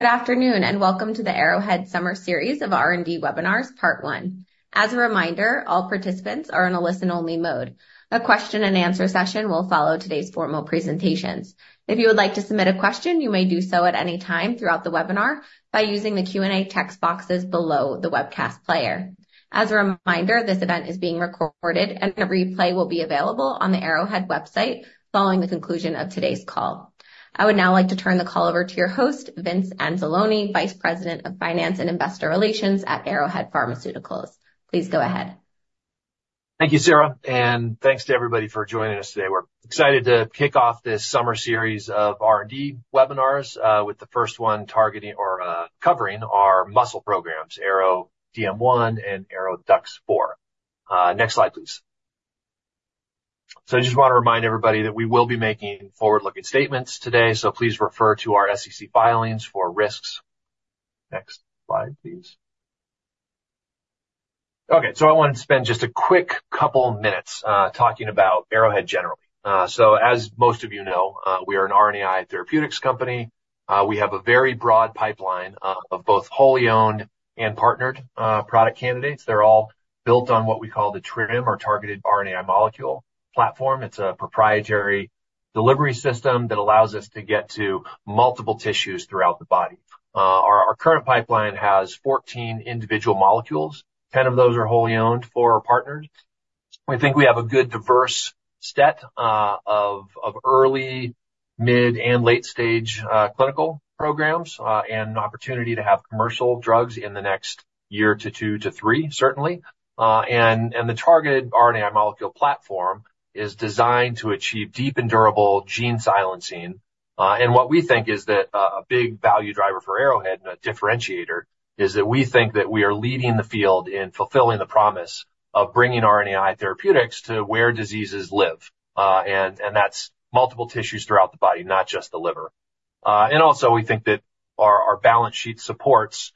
Good afternoon, and welcome to the Arrowhead Summer Series of R&D Webinars, Part One. As a reminder, all participants are in a listen-only mode. A question and answer session will follow today's formal presentations. If you would like to submit a question, you may do so at any time throughout the webinar by using the Q&A text boxes below the webcast player. As a reminder, this event is being recorded, and a replay will be available on the Arrowhead website following the conclusion of today's call. I would now like to turn the call over to your host, Vince Anzalone, Vice President of Finance and Investor Relations at Arrowhead Pharmaceuticals. Please go ahead. Thank you, Sarah, and thanks to everybody for joining us today. We're excited to kick off this summer series of R&D webinars with the first one targeting or covering our muscle programs, ARO-DM1 and ARO-DUX4. Next slide, please. So I just want to remind everybody that we will be making forward-looking statements today, so please refer to our SEC filings for risks. Next slide, please. Okay, so I wanted to spend just a quick couple minutes talking about Arrowhead generally. So as most of you know, we are an RNAi therapeutics company. We have a very broad pipeline of both wholly owned and partnered product candidates. They're all built on what we call the TRiM, or Targeted RNAi Molecule platform. It's a proprietary delivery system that allows us to get to multiple tissues throughout the body. Our current pipeline has 14 individual molecules. 10 of those are wholly owned, 4 are partnered. We think we have a good, diverse set of early, mid-, and late-stage clinical programs, and an opportunity to have commercial drugs in the next year to 2 to 3, certainly. And the targeted RNAi molecule platform is designed to achieve deep and durable gene silencing. And what we think is that a big value driver for Arrowhead and a differentiator is that we think that we are leading the field in fulfilling the promise of bringing RNAi therapeutics to where diseases live. And that's multiple tissues throughout the body, not just the liver. And also, we think that our balance sheet supports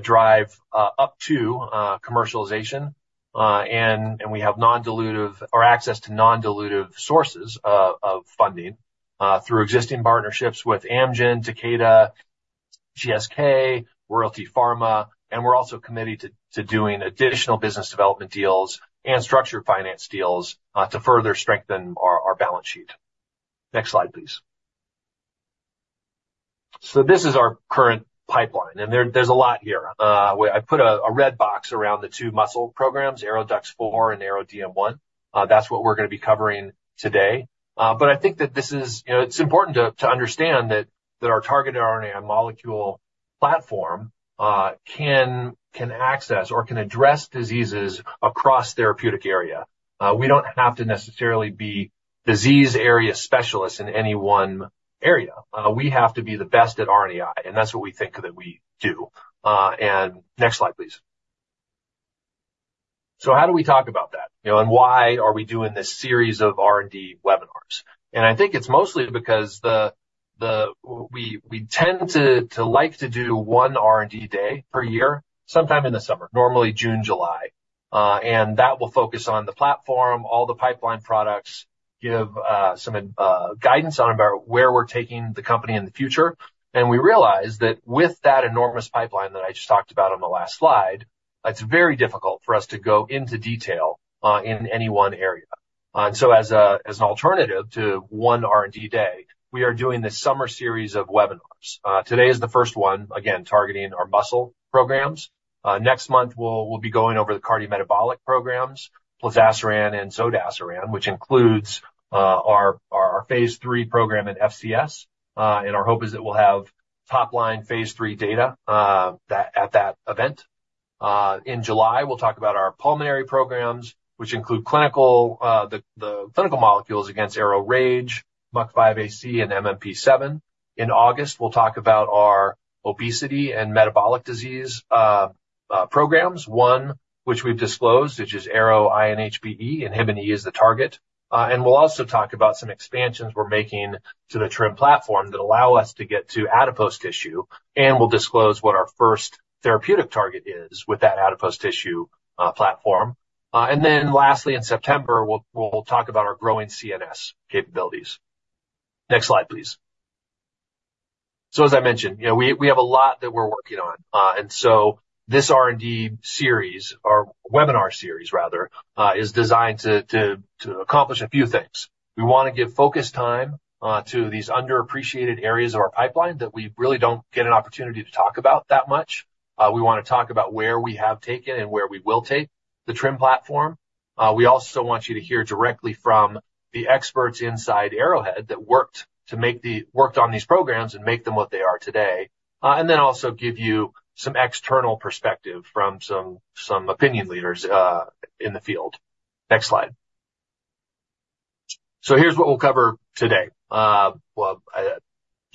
drive up to commercialization. And, and we have non-dilutive or access to non-dilutive sources of, of funding, through existing partnerships with Amgen, Takeda, GSK, Royalty Pharma, and we're also committed to, to doing additional business development deals and structured finance deals, to further strengthen our, our balance sheet. Next slide, please. So this is our current pipeline, and there, there's a lot here. I put a, a red box around the two muscle programs, ARO-DUX4 and ARO-DM1. That's what we're gonna be covering today. But I think that this is... You know, it's important to, to understand that, that our targeted RNA molecule platform, can, can access or can address diseases across therapeutic area. We don't have to necessarily be disease area specialists in any one area. We have to be the best at RNAi, and that's what we think that we do. Next slide, please. So how do we talk about that? You know, why are we doing this series of R&D webinars? And I think it's mostly because we tend to like to do one R&D day per year, sometime in the summer, normally June, July. And that will focus on the platform, all the pipeline products, give some guidance on about where we're taking the company in the future. And we realize that with that enormous pipeline that I just talked about on the last slide, it's very difficult for us to go into detail in any one area. So as an alternative to one R&D day, we are doing this summer series of webinars. Today is the first one, again, targeting our muscle programs. Next month, we'll be going over the cardiometabolic programs, Plozasiran and Zodasiran, which includes our Phase 3 program at FCS. And our hope is that we'll have top-line Phase 3 data at that event. In July, we'll talk about our pulmonary programs, which include clinical molecules against ARO-RAGE, ARO-MUC5AC, and ARO-MMP7. In August, we'll talk about our obesity and metabolic disease programs, one which we've disclosed, which is ARO-INHBE, inhibin E is the target. And we'll also talk about some expansions we're making to the TRiM platform that allow us to get to adipose tissue, and we'll disclose what our first therapeutic target is with that adipose tissue platform. And then lastly, in September, we'll talk about our growing CNS capabilities. Next slide, please. So as I mentioned, you know, we have a lot that we're working on. And so this R&D series, or webinar series rather, is designed to accomplish a few things. We wanna give focused time to these underappreciated areas of our pipeline that we really don't get an opportunity to talk about that much. We wanna talk about where we have taken and where we will take the TRiM platform. We also want you to hear directly from the experts inside Arrowhead that worked to make the-- worked on these programs and make them what they are today. And then also give you some external perspective from some opinion leaders in the field. Next slide. So here's what we'll cover today. Well,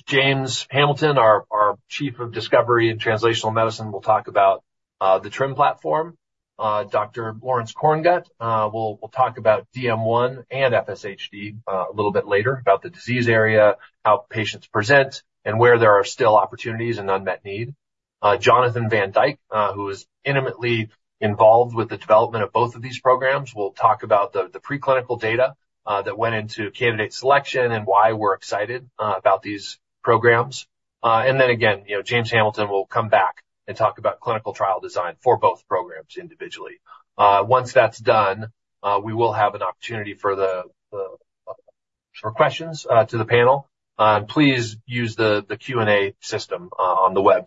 James Hamilton, our Chief of Discovery and Translational Medicine, will talk about the TRiM platform. Dr. Lawrence Korngut will talk about DM1 and FSHD a little bit later, about the disease area, how patients present, and where there are still opportunities and unmet need... Jonathan Van Dyke, who is intimately involved with the development of both of these programs, will talk about the preclinical data that went into candidate selection and why we're excited about these programs. And then again, you know, James Hamilton will come back and talk about clinical trial design for both programs individually. Once that's done, we will have an opportunity for the questions to the panel. Please use the Q&A system on the web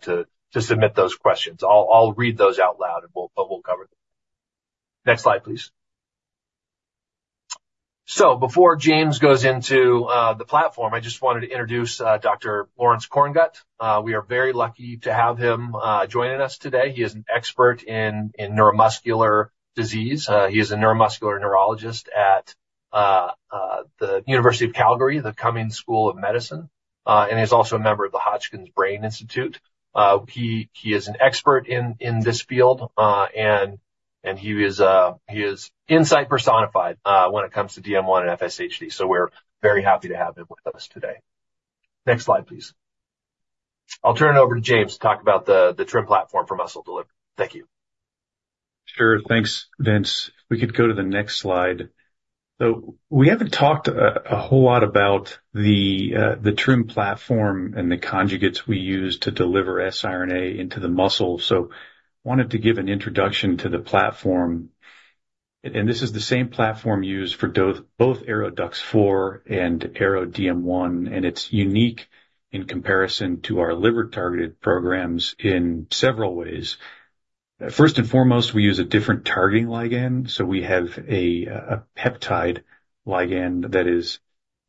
to submit those questions. I'll read those out loud, and we'll cover them. Next slide, please. So before James goes into the platform, I just wanted to introduce Dr. Lawrence Korngut. We are very lucky to have him joining us today. He is an expert in neuromuscular disease. He is a neuromuscular neurologist at the University of Calgary, the Cumming School of Medicine, and he's also a member of the Hotchkiss Brain Institute. He is an expert in this field, and he is insight personified when it comes to DM1 and FSHD, so we're very happy to have him with us today. Next slide, please. I'll turn it over to James to talk about the TRiM platform for muscle delivery. Thank you. Sure. Thanks, Vince. We could go to the next slide. So we haven't talked a whole lot about the TRiM platform and the conjugates we use to deliver siRNA into the muscle, so wanted to give an introduction to the platform. This is the same platform used for both ARO-DUX4 and ARO-DM1, and it's unique in comparison to our liver-targeted programs in several ways. First and foremost, we use a different targeting ligand, so we have a peptide ligand that is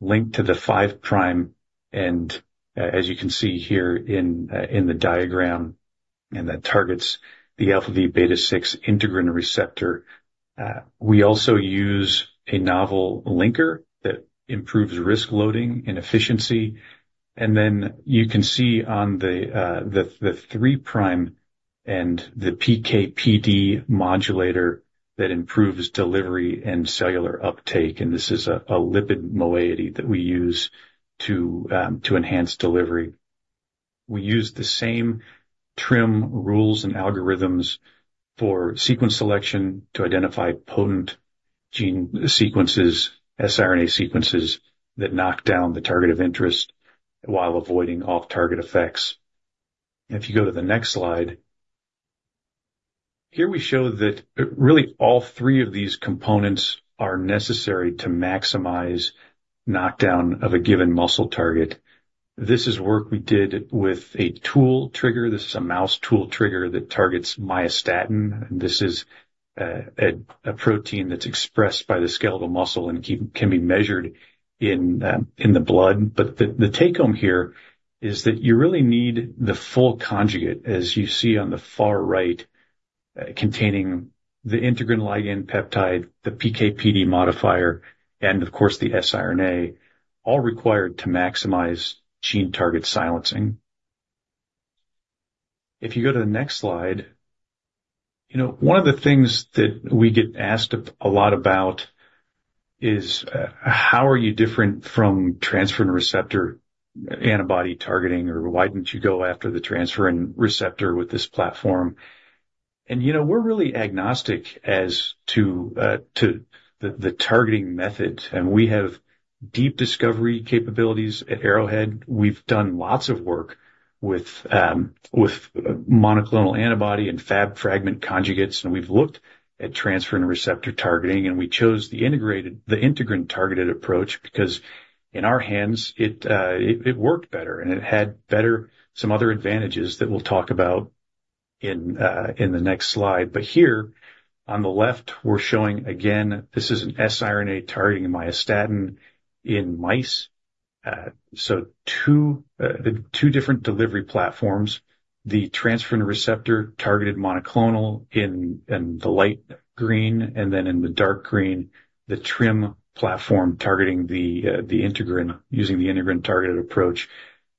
linked to the 5 prime, and as you can see here in the diagram, and that targets the alpha-v beta-6 integrin receptor. We also use a novel linker that improves siRNA loading and efficiency. And then you can see on the, the three prime and the PKPD modulator that improves delivery and cellular uptake, and this is a lipid moiety that we use to enhance delivery. We use the same TRiM rules and algorithms for sequence selection to identify potent gene sequences, siRNA sequences, that knock down the target of interest while avoiding off-target effects. If you go to the next slide. Here we show that really all three of these components are necessary to maximize knockdown of a given muscle target. This is work we did with a tool target. This is a mouse tool target that targets myostatin. This is a protein that's expressed by the skeletal muscle and can be measured in the blood. But the take-home here is that you really need the full conjugate, as you see on the far right, containing the integrin ligand peptide, the PKPD modifier, and of course, the siRNA, all required to maximize gene target silencing. If you go to the next slide. You know, one of the things that we get asked a lot about is, how are you different from transferrin receptor antibody targeting, or why didn't you go after the transferrin receptor with this platform? And, you know, we're really agnostic as to, to the targeting method, and we have deep discovery capabilities at Arrowhead. We've done lots of work with monoclonal antibody and Fab fragment conjugates, and we've looked at transferrin receptor targeting, and we chose the integrin-targeted approach, because in our hands it worked better, and it had better, some other advantages that we'll talk about in the next slide. But here, on the left, we're showing, again, this is an siRNA targeting myostatin in mice. So two different delivery platforms, the transferrin receptor-targeted monoclonal in the light green, and then in the dark green, the TRiM platform targeting the integrin, using the integrin-targeted approach.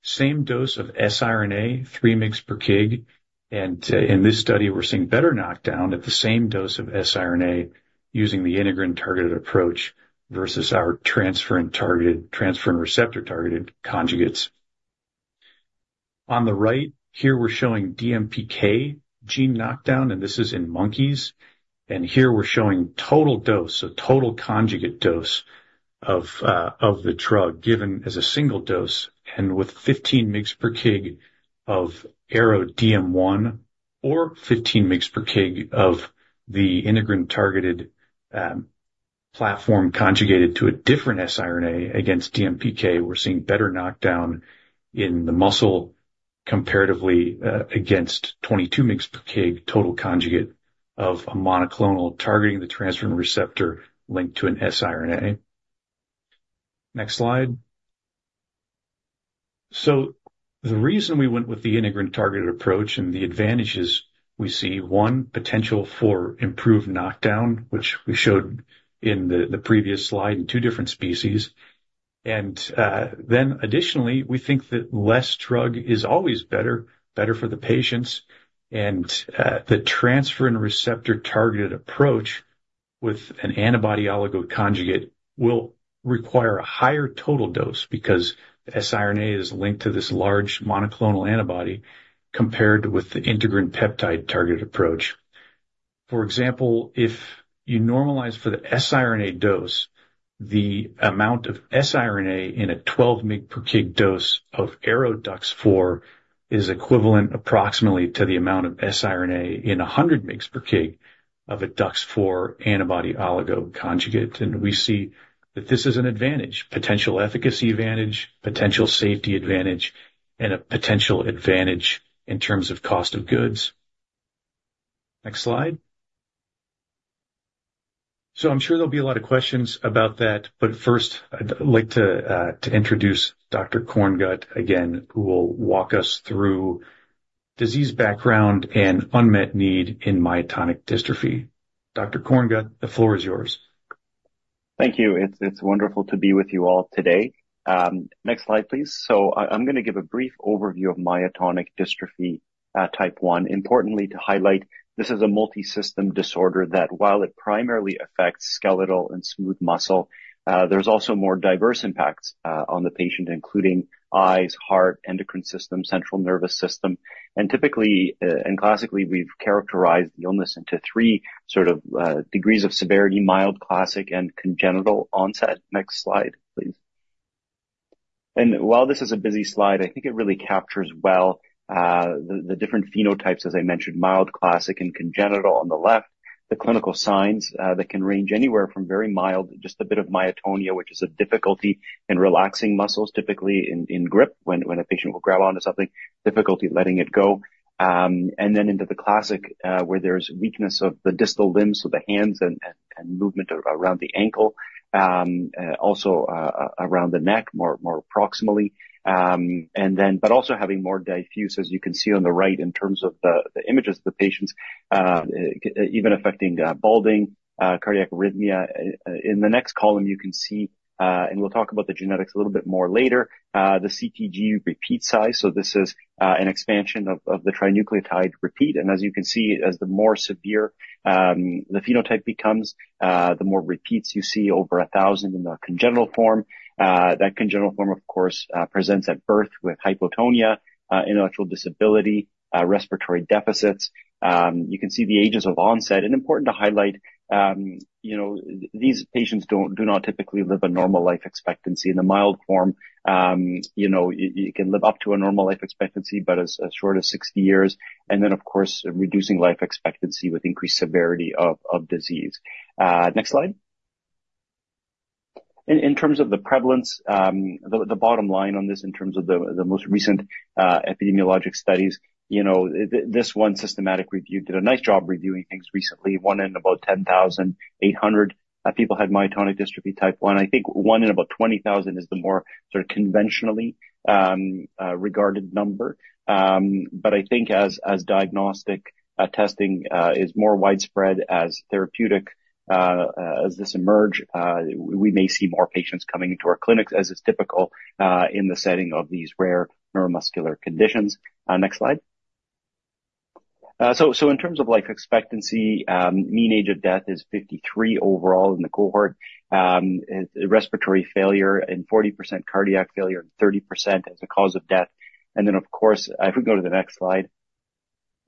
Same dose of siRNA, 3 mg per kg, and in this study, we're seeing better knockdown at the same dose of siRNA using the integrin-targeted approach versus our transferrin-targeted transferrin receptor-targeted conjugates. On the right, here we're showing DMPK gene knockdown, and this is in monkeys. Here we're showing total dose, so total conjugate dose of the drug given as a single dose, and with 15 mg per kg of ARO-DM1, or 15 mg per kg of the integrin-targeted platform conjugated to a different siRNA against DMPK, we're seeing better knockdown in the muscle comparatively against 22 mg per kg total conjugate of a monoclonal targeting the transferrin receptor linked to an siRNA. Next slide. The reason we went with the integrin-targeted approach and the advantages we see, one, potential for improved knockdown, which we showed in the previous slide in two different species. Then additionally, we think that less drug is always better, better for the patients, and the transferrin receptor-targeted approach... with an antibody oligo conjugate will require a higher total dose because the siRNA is linked to this large monoclonal antibody compared with the integrin peptide target approach. For example, if you normalize for the siRNA dose, the amount of siRNA in a 12 mg per kg dose of ARO-DUX4 is equivalent approximately to the amount of siRNA in a 100 mg per kg of a DUX4 antibody oligo conjugate. And we see that this is an advantage, potential efficacy advantage, potential safety advantage, and a potential advantage in terms of cost of goods. Next slide. So I'm sure there'll be a lot of questions about that, but first, I'd like to, to introduce Dr. Korngut again, who will walk us through disease background and unmet need in myotonic dystrophy. Dr. Korngut, the floor is yours. Thank you. It's wonderful to be with you all today. Next slide, please. So I'm gonna give a brief overview of myotonic dystrophy type 1. Importantly, to highlight, this is a multisystem disorder that while it primarily affects skeletal and smooth muscle, there's also more diverse impacts on the patient, including eyes, heart, endocrine system, central nervous system. And typically, and classically, we've characterized the illness into three sort of degrees of severity: mild, classic, and congenital onset. Next slide, please. And while this is a busy slide, I think it really captures well the different phenotypes, as I mentioned, mild, classic, and congenital on the left. The clinical signs that can range anywhere from very mild, just a bit of myotonia, which is a difficulty in relaxing muscles, typically in grip, when a patient will grab onto something, difficulty letting it go. And then into the classic, where there's weakness of the distal limbs, so the hands and movement around the ankle, around the neck, more proximally. But also having more diffuse, as you can see on the right, in terms of the images of the patients, even affecting balding, cardiac arrhythmia. In the next column, you can see, and we'll talk about the genetics a little bit more later, the CTG repeat size. So this is an expansion of the trinucleotide repeat. And as you can see, as the more severe the phenotype becomes, the more repeats you see over 1,000 in the congenital form. That congenital form, of course, presents at birth with hypotonia, intellectual disability, respiratory deficits. You can see the ages of onset. And important to highlight, you know, these patients do not typically live a normal life expectancy. In the mild form, you know, you can live up to a normal life expectancy, but as short as 60 years, and then, of course, reducing life expectancy with increased severity of disease. Next slide. In terms of the prevalence, the bottom line on this in terms of the most recent epidemiologic studies, you know, this one systematic review did a nice job reviewing things recently. One in about 10,800 people had myotonic dystrophy type 1. I think one in about 20,000 is the more sort of conventionally regarded number. But I think as diagnostic testing is more widespread as therapeutic as this emerge we may see more patients coming into our clinics, as is typical in the setting of these rare neuromuscular conditions. Next slide. So, so in terms of life expectancy, mean age of death is 53 overall in the cohort. Respiratory failure in 40%, cardiac failure in 30% as a cause of death. And then, of course, if we go to the next slide,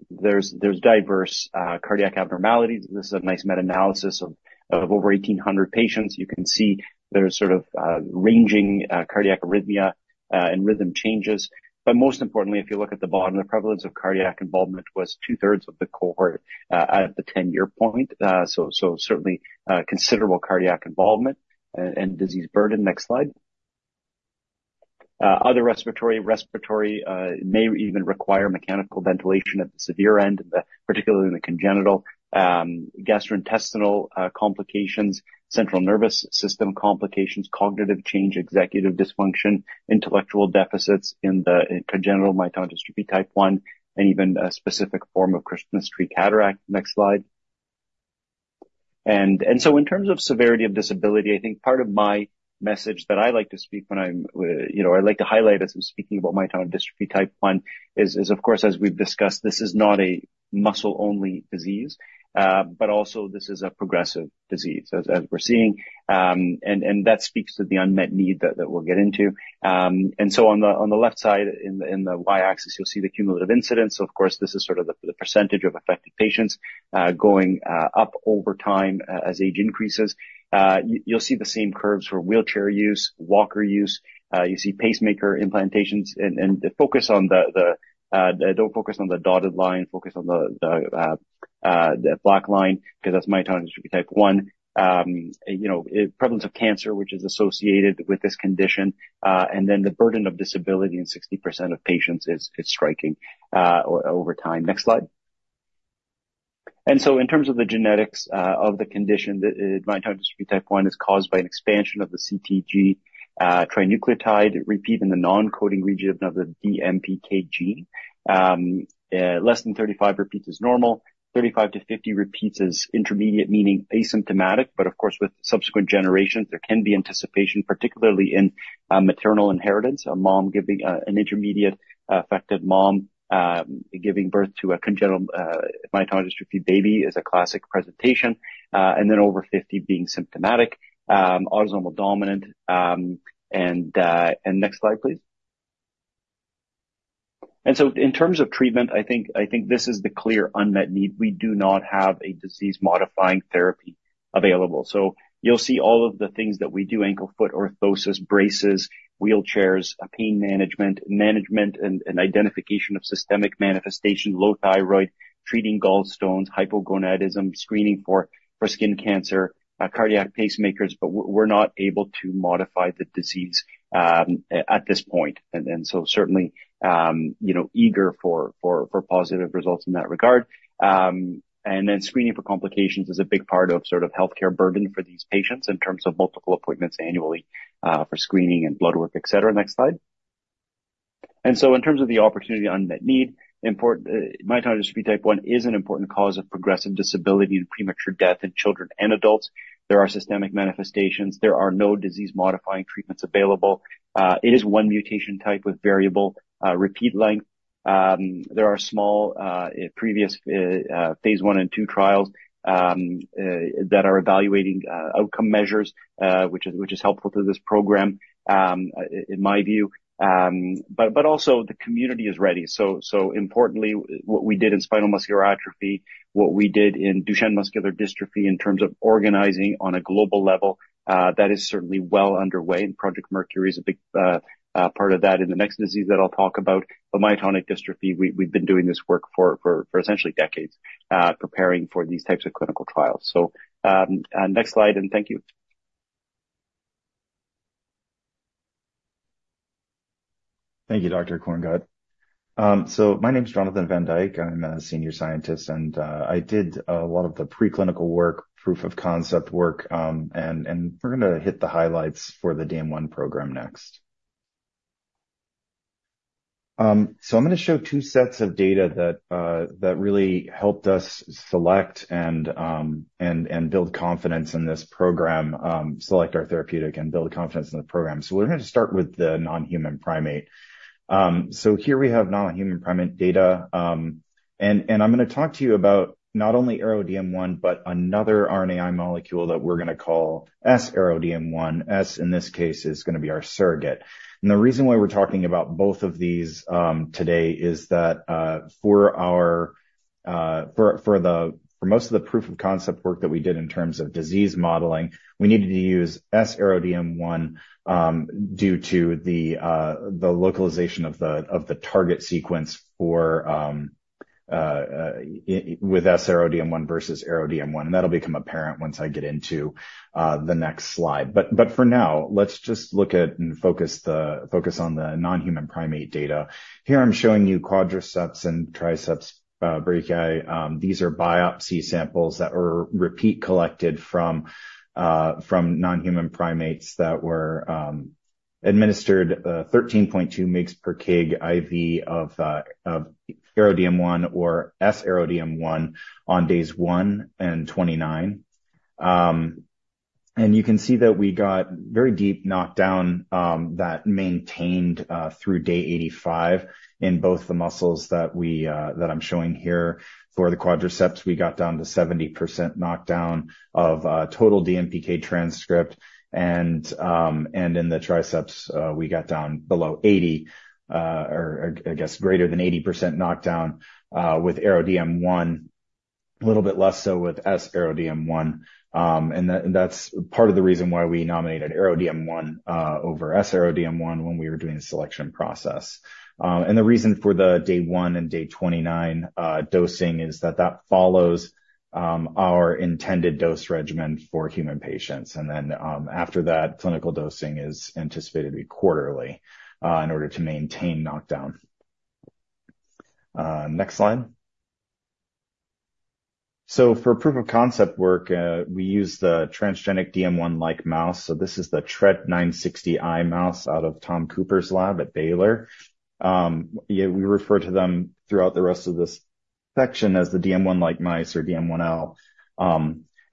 there's, there's diverse cardiac abnormalities. This is a nice meta-analysis of over 1,800 patients. You can see there's sort of, ranging, cardiac arrhythmia, and rhythm changes. But most importantly, if you look at the bottom, the prevalence of cardiac involvement was two-thirds of the cohort, at the ten-year point. So, so certainly, considerable cardiac involvement and, and disease burden. Next slide. Other respiratory, respiratory, may even require mechanical ventilation at the severe end, but particularly in the congenital. Gastrointestinal complications, central nervous system complications, cognitive change, executive dysfunction, intellectual deficits in the congenital myotonic dystrophy type 1, and even a specific form of Christmas tree cataract. Next slide. In terms of severity of disability, I think part of my message that I like to speak when I'm, you know, I like to highlight as I'm speaking about myotonic dystrophy type 1 is, of course, as we've discussed, this is not a muscle-only disease, but also this is a progressive disease, as we're seeing. That speaks to the unmet need that we'll get into. On the left side, in the y-axis, you'll see the cumulative incidence. Of course, this is sort of the percentage of affected patients going up over time as age increases. You'll see the same curves for wheelchair use, walker use, you see pacemaker implantations. Don't focus on the dotted line, focus on the black line, 'cause that's myotonic dystrophy type 1. You know, prevalence of cancer, which is associated with this condition, and then the burden of disability in 60% of patients is striking over time. Next slide. So in terms of the genetics of the condition, the myotonic dystrophy type 1 is caused by an expansion of the CTG trinucleotide repeat in the non-coding region of the DMPK gene. Less than 35 repeats is normal, 35 to 50 repeats is intermediate, meaning asymptomatic, but of course, with subsequent generations, there can be anticipation, particularly in maternal inheritance. A mom giving... An intermediate affected mom giving birth to a congenital myotonic dystrophy baby is a classic presentation, and then over 50 being symptomatic, autosomal dominant. And next slide, please. And so in terms of treatment, I think, I think this is the clear unmet need. We do not have a disease-modifying therapy available. So you'll see all of the things that we do, ankle foot orthosis, braces, wheelchairs, pain management, management and identification of systemic manifestation, low thyroid, treating gallstones, hypogonadism, screening for skin cancer, cardiac pacemakers, but we're not able to modify the disease at this point. And then so certainly, you know, eager for positive results in that regard. And then screening for complications is a big part of sort of healthcare burden for these patients in terms of multiple appointments annually, for screening and blood work, et cetera. Next slide. And so in terms of the opportunity unmet need, myotonic dystrophy type 1 is an important cause of progressive disability and premature death in children and adults. There are systemic manifestations. There are no disease-modifying treatments available. It is 1 mutation type with variable repeat length. There are small previous Phase 1 and 2 trials that are evaluating outcome measures, which is helpful to this program, in my view. But also the community is ready. So importantly, what we did in spinal muscular atrophy, what we did in Duchenne muscular dystrophy, in terms of organizing on a global level, that is certainly well underway, and Project Mercury is a big part of that. And the next disease that I'll talk about, but myotonic dystrophy, we've been doing this work for essentially decades, preparing for these types of clinical trials. So, next slide, and thank you. Thank you, Dr. Korngut. My name is Jonathan Van Dyke. I'm a senior scientist, and I did a lot of the preclinical work, proof of concept work, and we're gonna hit the highlights for the DM1 program next. I'm gonna show two sets of data that really helped us select and build confidence in this program, select our therapeutic and build confidence in the program. We're gonna start with the non-human primate. Here we have non-human primate data, and I'm gonna talk to you about not only ARO-DM1, but another RNAi molecule that we're gonna call sARO-DM1. S, in this case, is gonna be our surrogate. The reason why we're talking about both of these today is that for most of the proof of concept work that we did in terms of disease modeling, we needed to use sARO-DM1 due to the localization of the target sequence with sARO-DM1 versus ARO-DM1, and that'll become apparent once I get into the next slide. But for now, let's just look at and focus on the non-human primate data. Here I'm showing you quadriceps and triceps brachii. These are biopsy samples that were repeat collected from non-human primates that were administered 13.2 mgs per kg IV of ARO-DM1 or sARO-DM1 on days 1 and 29. And you can see that we got very deep knockdown that maintained through day 85 in both the muscles that we that I'm showing here. For the quadriceps, we got down to 70% knockdown of total DMPK transcript, and in the triceps, we got down below 80, or I guess, greater than 80% knockdown with ARO-DM1. A little bit less so with sARO-DM1. And that's part of the reason why we nominated ARO-DM1 over sARO-DM1 when we were doing the selection process. And the reason for the day 1 and day 29 dosing is that that follows our intended dose regimen for human patients. And then, after that, clinical dosing is anticipated to be quarterly in order to maintain knockdown. Next slide. For proof of concept work, we use the transgenic DM1-like mouse. This is the TREDT960I mouse out of Tom Cooper's lab at Baylor. We refer to them throughout the rest of this section as the DM1-like mice or DM1L.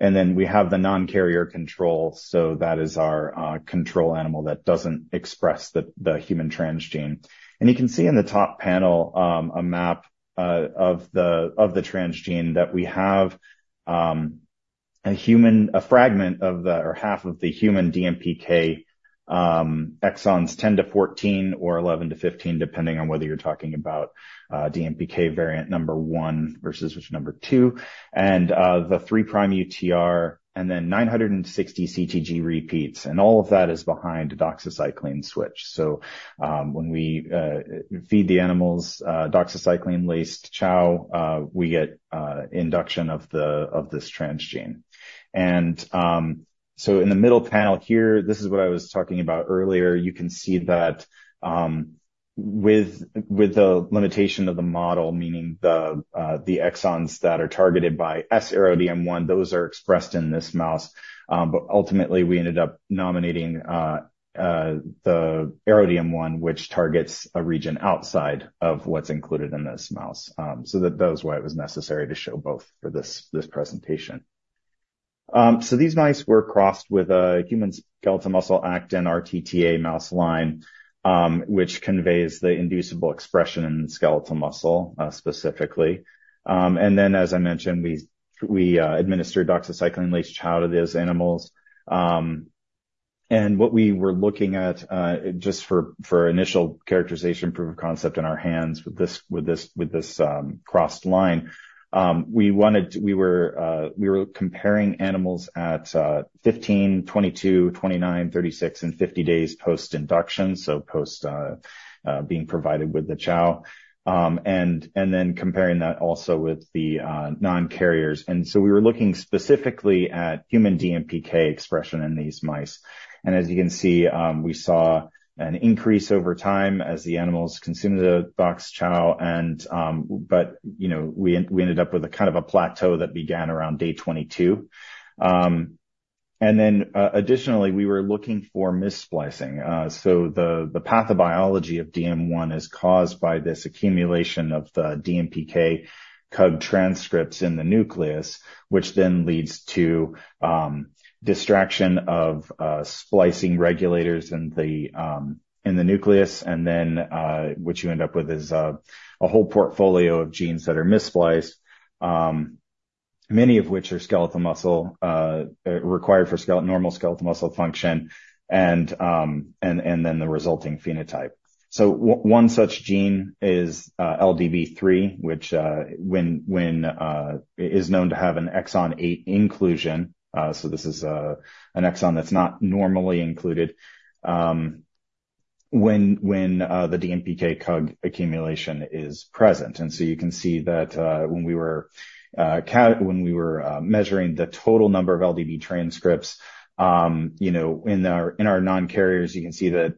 And then we have the non-carrier control, so that is our control animal that doesn't express the human transgene. You can see in the top panel a map of the transgene that we have, a fragment of the human DMPK exons 10-14 or 11-15, depending on whether you're talking about DMPK variant number 1 versus number 2, and the 3' UTR, and then 960 CTG repeats, and all of that is behind a doxycycline switch. So, when we feed the animals doxycycline-laced chow, we get induction of the, of this transgene. And, so in the middle panel here, this is what I was talking about earlier. You can see that, with the limitation of the model, meaning the exons that are targeted by sARO-DM1, those are expressed in this mouse. But ultimately, we ended up nominating the ARO-DM1, which targets a region outside of what's included in this mouse. So that was why it was necessary to show both for this presentation. So these mice were crossed with a human skeletal muscle actin rtTA mouse line, which conveys the inducible expression in skeletal muscle specifically. And then, as I mentioned, we administered doxycycline-laced chow to these animals. What we were looking at just for initial characterization, proof of concept in our hands with this crossed line. We wanted, we were comparing animals at 15, 22, 29, 36 and 50 days post-induction, so post being provided with the chow, and then comparing that also with the non-carriers. So we were looking specifically at human DMPK expression in these mice. And as you can see, we saw an increase over time as the animals consumed the dox chow and, but, you know, we ended up with a kind of a plateau that began around day 22. And then, additionally, we were looking for mis-splicing. So the pathobiology of DM1 is caused by this accumulation of the DMPK CUG transcripts in the nucleus, which then leads to sequestration of splicing regulators in the nucleus. And then what you end up with is a whole portfolio of genes that are mis-spliced, many of which are skeletal muscle required for normal skeletal muscle function, and then the resulting phenotype. So one such gene is LDB3, which is known to have an exon eight inclusion. So this is an exon that's not normally included when the DMPK CUG accumulation is present. And so you can see that when we were ca... When we were measuring the total number of LDB3 transcripts, you know, in our, in our non-carriers, you can see that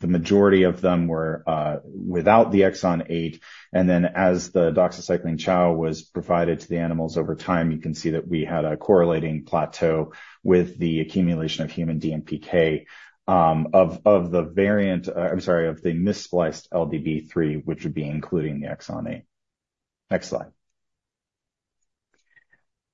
the majority of them were without the exon eight. And then as the doxycycline chow was provided to the animals over time, you can see that we had a correlating plateau with the accumulation of human DMPK, of, of the variant, I'm sorry, of the mis-spliced LDB3, which would be including the exon eight. Next slide.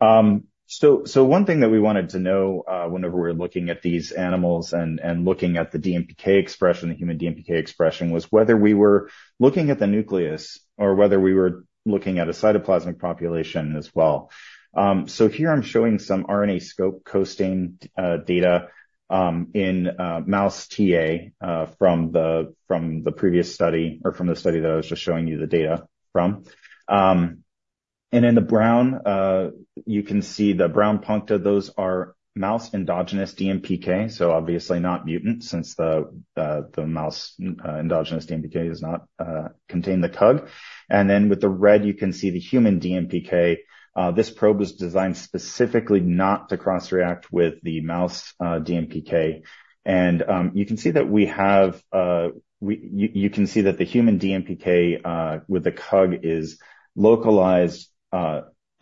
So, so one thing that we wanted to know, whenever we're looking at these animals and, and looking at the DMPK expression, the human DMPK expression, was whether we were looking at the nucleus or whether we were looking at a cytoplasmic population as well. So here I'm showing some RNA scope co-stain data in mouse TA from the previous study or from the study that I was just showing you the data from. And in the brown, you can see the brown puncta. Those are mouse endogenous DMPK, so obviously not mutant, since the mouse endogenous DMPK does not contain the CUG. And then with the red, you can see the human DMPK. This probe was designed specifically not to cross-react with the mouse DMPK. And you can see that the human DMPK with the CUG is localized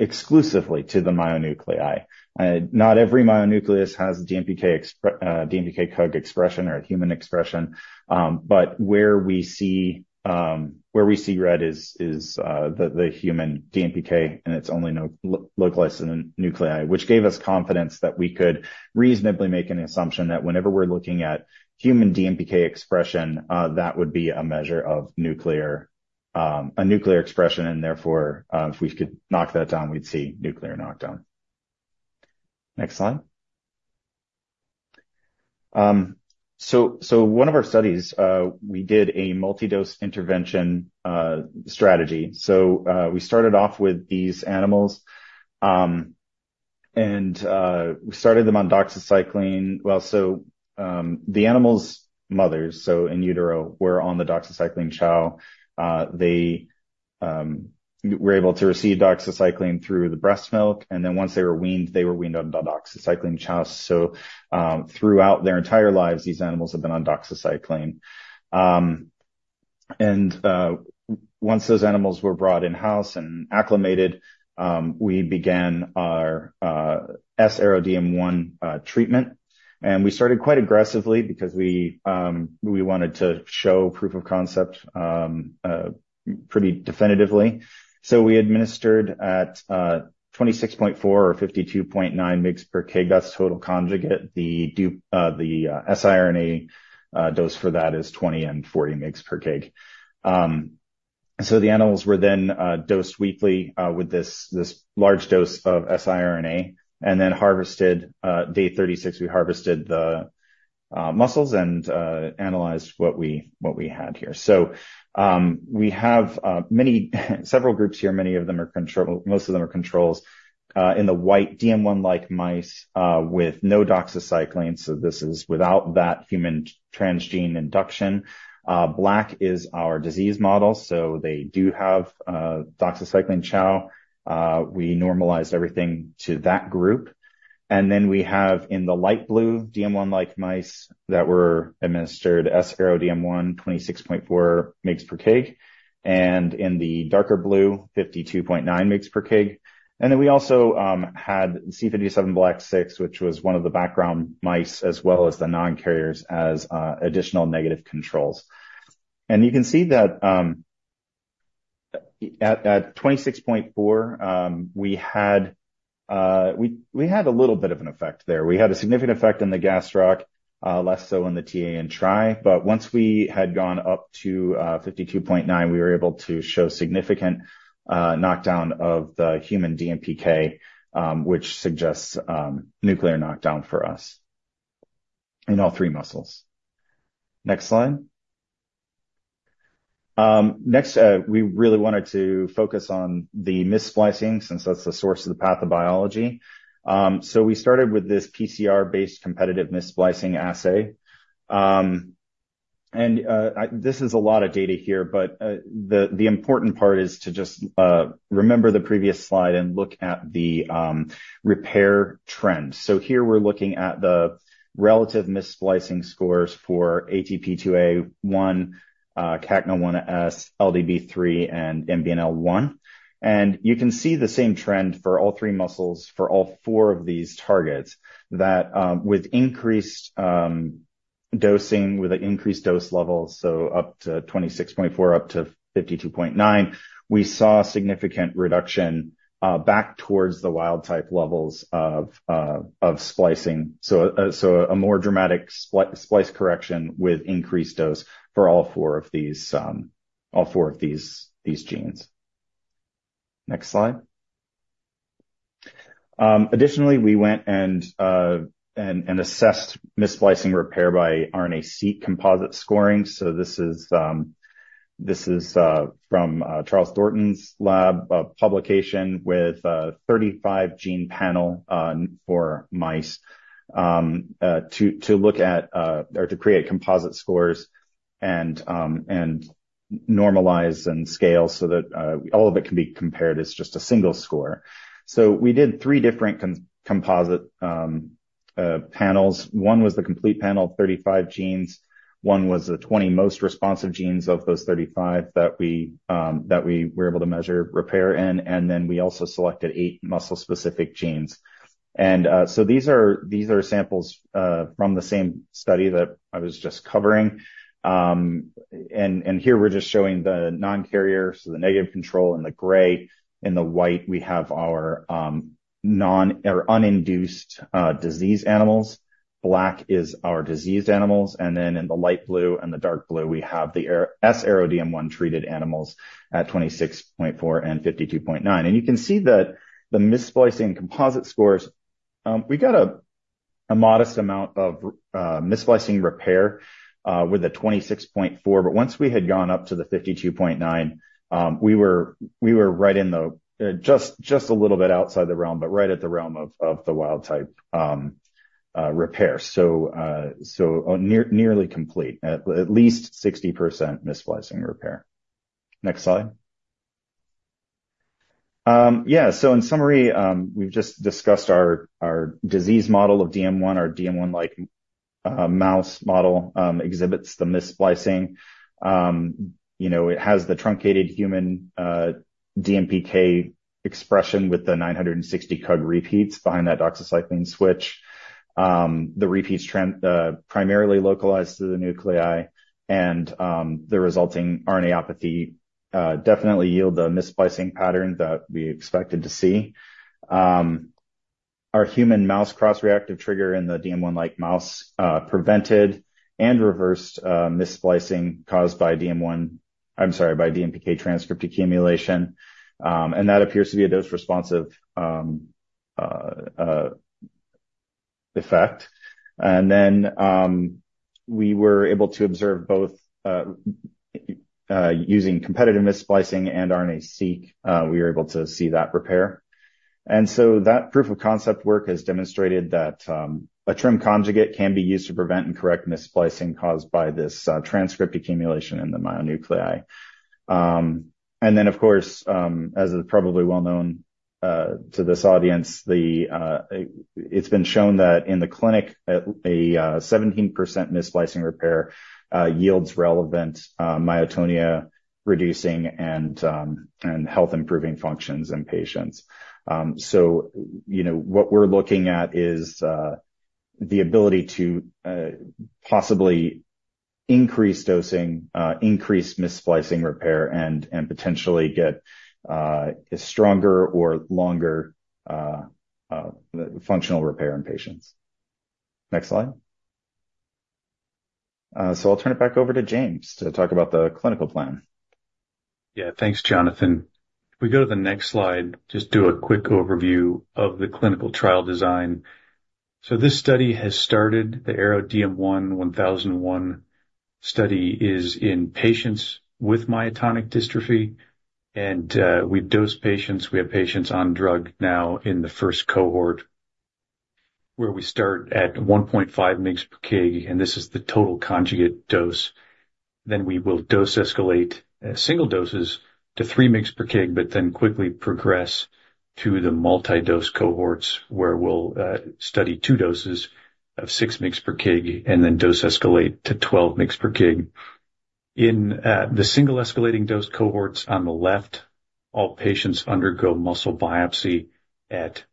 exclusively to the myonuclei. Not every myonucleus has a DMPK CUG expression or a human expression. But where we see red is the human DMPK, and it's only localized in the nuclei, which gave us confidence that we could reasonably make an assumption that whenever we're looking at human DMPK expression, that would be a measure of nuclear expression, and therefore, if we could knock that down, we'd see nuclear knockdown. Next slide. So one of our studies, we did a multi-dose intervention strategy. So we started off with these animals, and we started them on doxycycline. Well, so the animals' mothers, so in utero, were on the doxycycline chow. They were able to receive doxycycline through the breast milk, and then once they were weaned, they were weaned on doxycycline chow. Throughout their entire lives, these animals have been on doxycycline. Once those animals were brought in-house and acclimated, we began our sARO-DM1 treatment. We started quite aggressively because we wanted to show proof of concept pretty definitively. We administered at 26.4 or 52.9 mg/kg, that's total conjugate. The siRNA dose for that is 20 and 40 mg/kg. The animals were then dosed weekly with this large dose of siRNA and then harvested day 36, we harvested the muscles and analyzed what we had here. We have several groups here. Many of them are control... Most of them are controls, in the white DM1-like mice, with no doxycycline, so this is without that human transgene induction. Black is our disease model, so they do have doxycycline chow. We normalized everything to that group. And then we have in the light blue, DM1-like mice that were administered sARO-DM1, 26.4 mgs per kg, and in the darker blue, 52.9 mgs per kg. And then we also had C57BL/6, which was one of the background mice, as well as the non-carriers, as additional negative controls. And you can see that, at 26.4, we had a little bit of an effect there. We had a significant effect in the gastroc, less so in the TA and tri, but once we had gone up to 52.9, we were able to show significant knockdown of the human DMPK, which suggests nuclear knockdown for us in all three muscles. Next slide. Next, we really wanted to focus on the mis-splicing, since that's the source of the pathobiology. So we started with this PCR-based competitive mis-splicing assay. And, I this is a lot of data here, but the important part is to just remember the previous slide and look at the repair trends. So here we're looking at the relative mis-splicing scores for ATP2A1, CACNA1S, LDB3, and MBNL1. You can see the same trend for all three muscles, for all four of these targets, that, with increased dosing, with increased dose levels, so up to 26.4, up to 52.9, we saw significant reduction back towards the wild-type levels of splicing. So, so a more dramatic splice correction with increased dose for all four of these, all four of these, these genes. Next slide. Additionally, we went and assessed mis-splicing repair by RNA-Seq composite scoring. So this is, this is, from Charles Thornton's lab publication with a 35 gene panel for mice, to, to look at, or to create composite scores and, and normalize and scale so that all of it can be compared as just a single score. So we did three different composite panels. One was the complete panel, 35 genes, one was the 20 most responsive genes of those 35 that we were able to measure repair in, and then we also selected eight muscle-specific genes. So these are samples from the same study that I was just covering. And here we're just showing the non-carrier, so the negative control in the gray. In the white, we have our non- or uninduced disease animals. Black is our diseased animals, and then in the light blue and the dark blue, we have the sARO-DM1 treated animals at 26.4 and 52.9. You can see that the mis-splicing composite scores, we got a modest amount of mis-splicing repair with a 26.4, but once we had gone up to the 52.9, we were right in the just a little bit outside the realm, but right at the realm of the wild type repair. So nearly complete, at least 60% mis-splicing repair. Next slide. Yeah, so in summary, we've just discussed our disease model of DM1, our DM1-like mouse model exhibits the mis-splicing. You know, it has the truncated human DMPK expression with the 960 CTG repeats behind that doxycycline switch. The repeats are primarily localized to the nuclei and the resulting RNAopathy definitely yield the mis-splicing pattern that we expected to see. Our human mouse cross-reactive trigger in the DM1-like mouse prevented and reversed mis-splicing caused by DM1... I'm sorry, by DMPK transcript accumulation, and that appears to be a dose responsive effect. And then, we were able to observe both using competitive mis-splicing and RNA-Seq. We were able to see that repair. And so that proof of concept work has demonstrated that a TRiM conjugate can be used to prevent and correct mis-splicing caused by this transcript accumulation in the myonuclei. And then, of course, as is probably well known, to this audience, it's been shown that in the clinic, at 17% mis-splicing repair, yields relevant, myotonia-reducing and health-improving functions in patients. So you know, what we're looking at is the ability to possibly increase dosing, increase mis-splicing repair, and potentially get a stronger or longer functional repair in patients. Next slide. So I'll turn it back over to James to talk about the clinical plan. Yeah. Thanks, Jonathan. If we go to the next slide, just do a quick overview of the clinical trial design. So this study has started, the ARO-DM1 1001 study, is in patients with myotonic dystrophy, and, we've dosed patients, we have patients on drug now in the first cohort, where we start at 1.5 mg/kg, and this is the total conjugate dose. Then we will dose escalate, single doses to 3 mg/kg, but then quickly progress to the multi-dose cohorts, where we'll study two doses of 6 mg/kg, and then dose escalate to 12 mg/kg. In the single escalating dose cohorts on the left, all patients undergo muscle biopsy at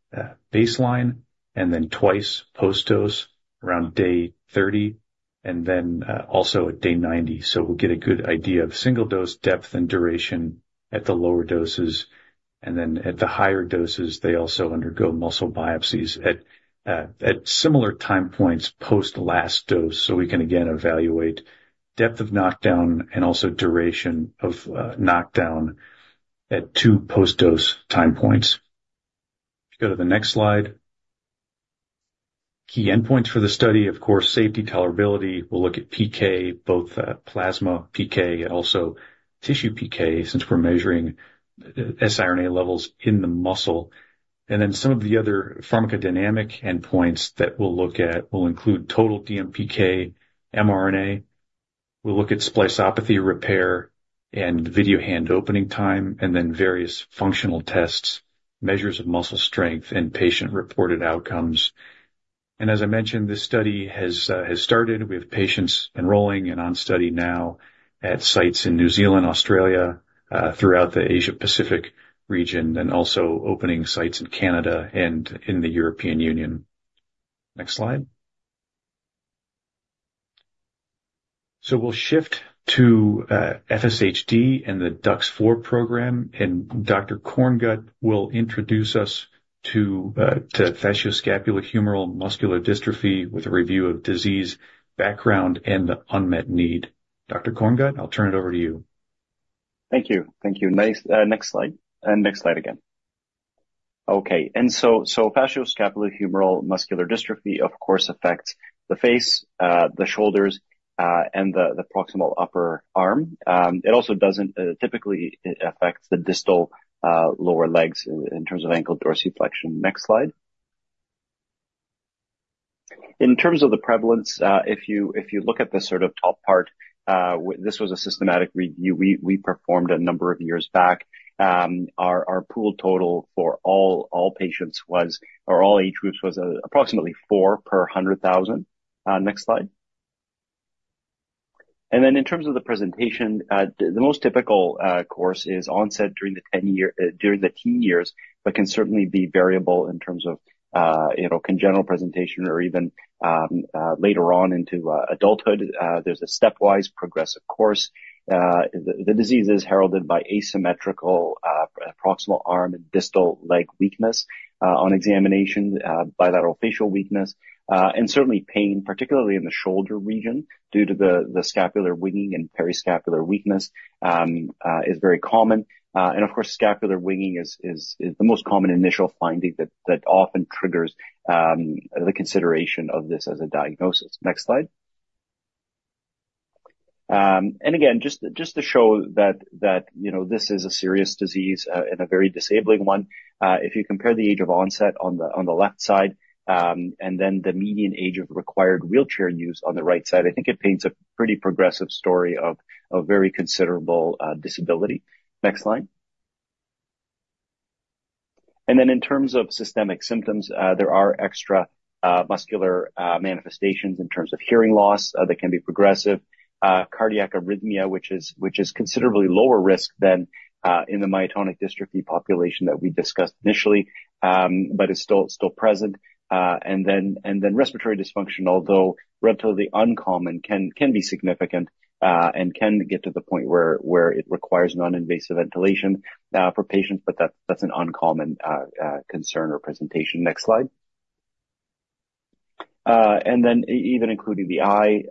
baseline, and then twice post-dose around day 30, and then also at day 90. So we'll get a good idea of single-dose depth and duration at the lower doses, and then at the higher doses, they also undergo muscle biopsies at similar time points post last dose, so we can again evaluate depth of knockdown and also duration of knockdown at 2 post-dose time points. If you go to the next slide. Key endpoints for the study, of course, safety, tolerability. We'll look at PK, both plasma PK and also tissue PK, since we're measuring siRNA levels in the muscle. And then some of the other pharmacodynamic endpoints that we'll look at will include total DMPK mRNA. We'll look at spliceopathy repair and video hand opening time, and then various functional tests, measures of muscle strength, and patient-reported outcomes. And as I mentioned, this study has started. We have patients enrolling and on study now at sites in New Zealand, Australia, throughout the Asia Pacific region, and also opening sites in Canada and in the European Union. Next slide. So we'll shift to FSHD and the DUX4 program, and Dr. Korngut will introduce us to facioscapulohumeral muscular dystrophy with a review of disease, background, and the unmet need. Dr. Korngut, I'll turn it over to you. Thank you. Thank you. Next slide, and next slide again. Okay. And so, so facioscapulohumeral muscular dystrophy, of course, affects the face, the shoulders, and the, the proximal upper arm. It also doesn't typically, it affects the distal lower legs in, in terms of ankle dorsiflexion. Next slide. In terms of the prevalence, if you, if you look at the sort of top part, this was a systematic review we, we performed a number of years back. Our, our pool total for all, all patients was... or all age groups, was approximately 4 per 100,000. Next slide. And then in terms of the presentation, the most typical course is onset during the teen years, but can certainly be variable in terms of, you know, congenital presentation or even later on into adulthood. There's a stepwise progressive course. The disease is heralded by asymmetrical proximal arm and distal leg weakness. On examination, bilateral facial weakness and certainly pain, particularly in the shoulder region, due to the scapular winging and periscapular weakness, is very common. And of course, scapular winging is the most common initial finding that often triggers the consideration of this as a diagnosis. Next slide. And again, just to show that, you know, this is a serious disease and a very disabling one. If you compare the age of onset on the left side, and then the median age of required wheelchair use on the right side, I think it paints a pretty progressive story of very considerable disability. Next slide. Then in terms of systemic symptoms, there are extramuscular manifestations in terms of hearing loss that can be progressive, cardiac arrhythmia, which is considerably lower risk than in the myotonic dystrophy population that we discussed initially, but is still present, and then respiratory dysfunction, although relatively uncommon, can be significant, and can get to the point where it requires non-invasive ventilation for patients, but that's an uncommon concern or presentation. Next slide. And then even including the eye,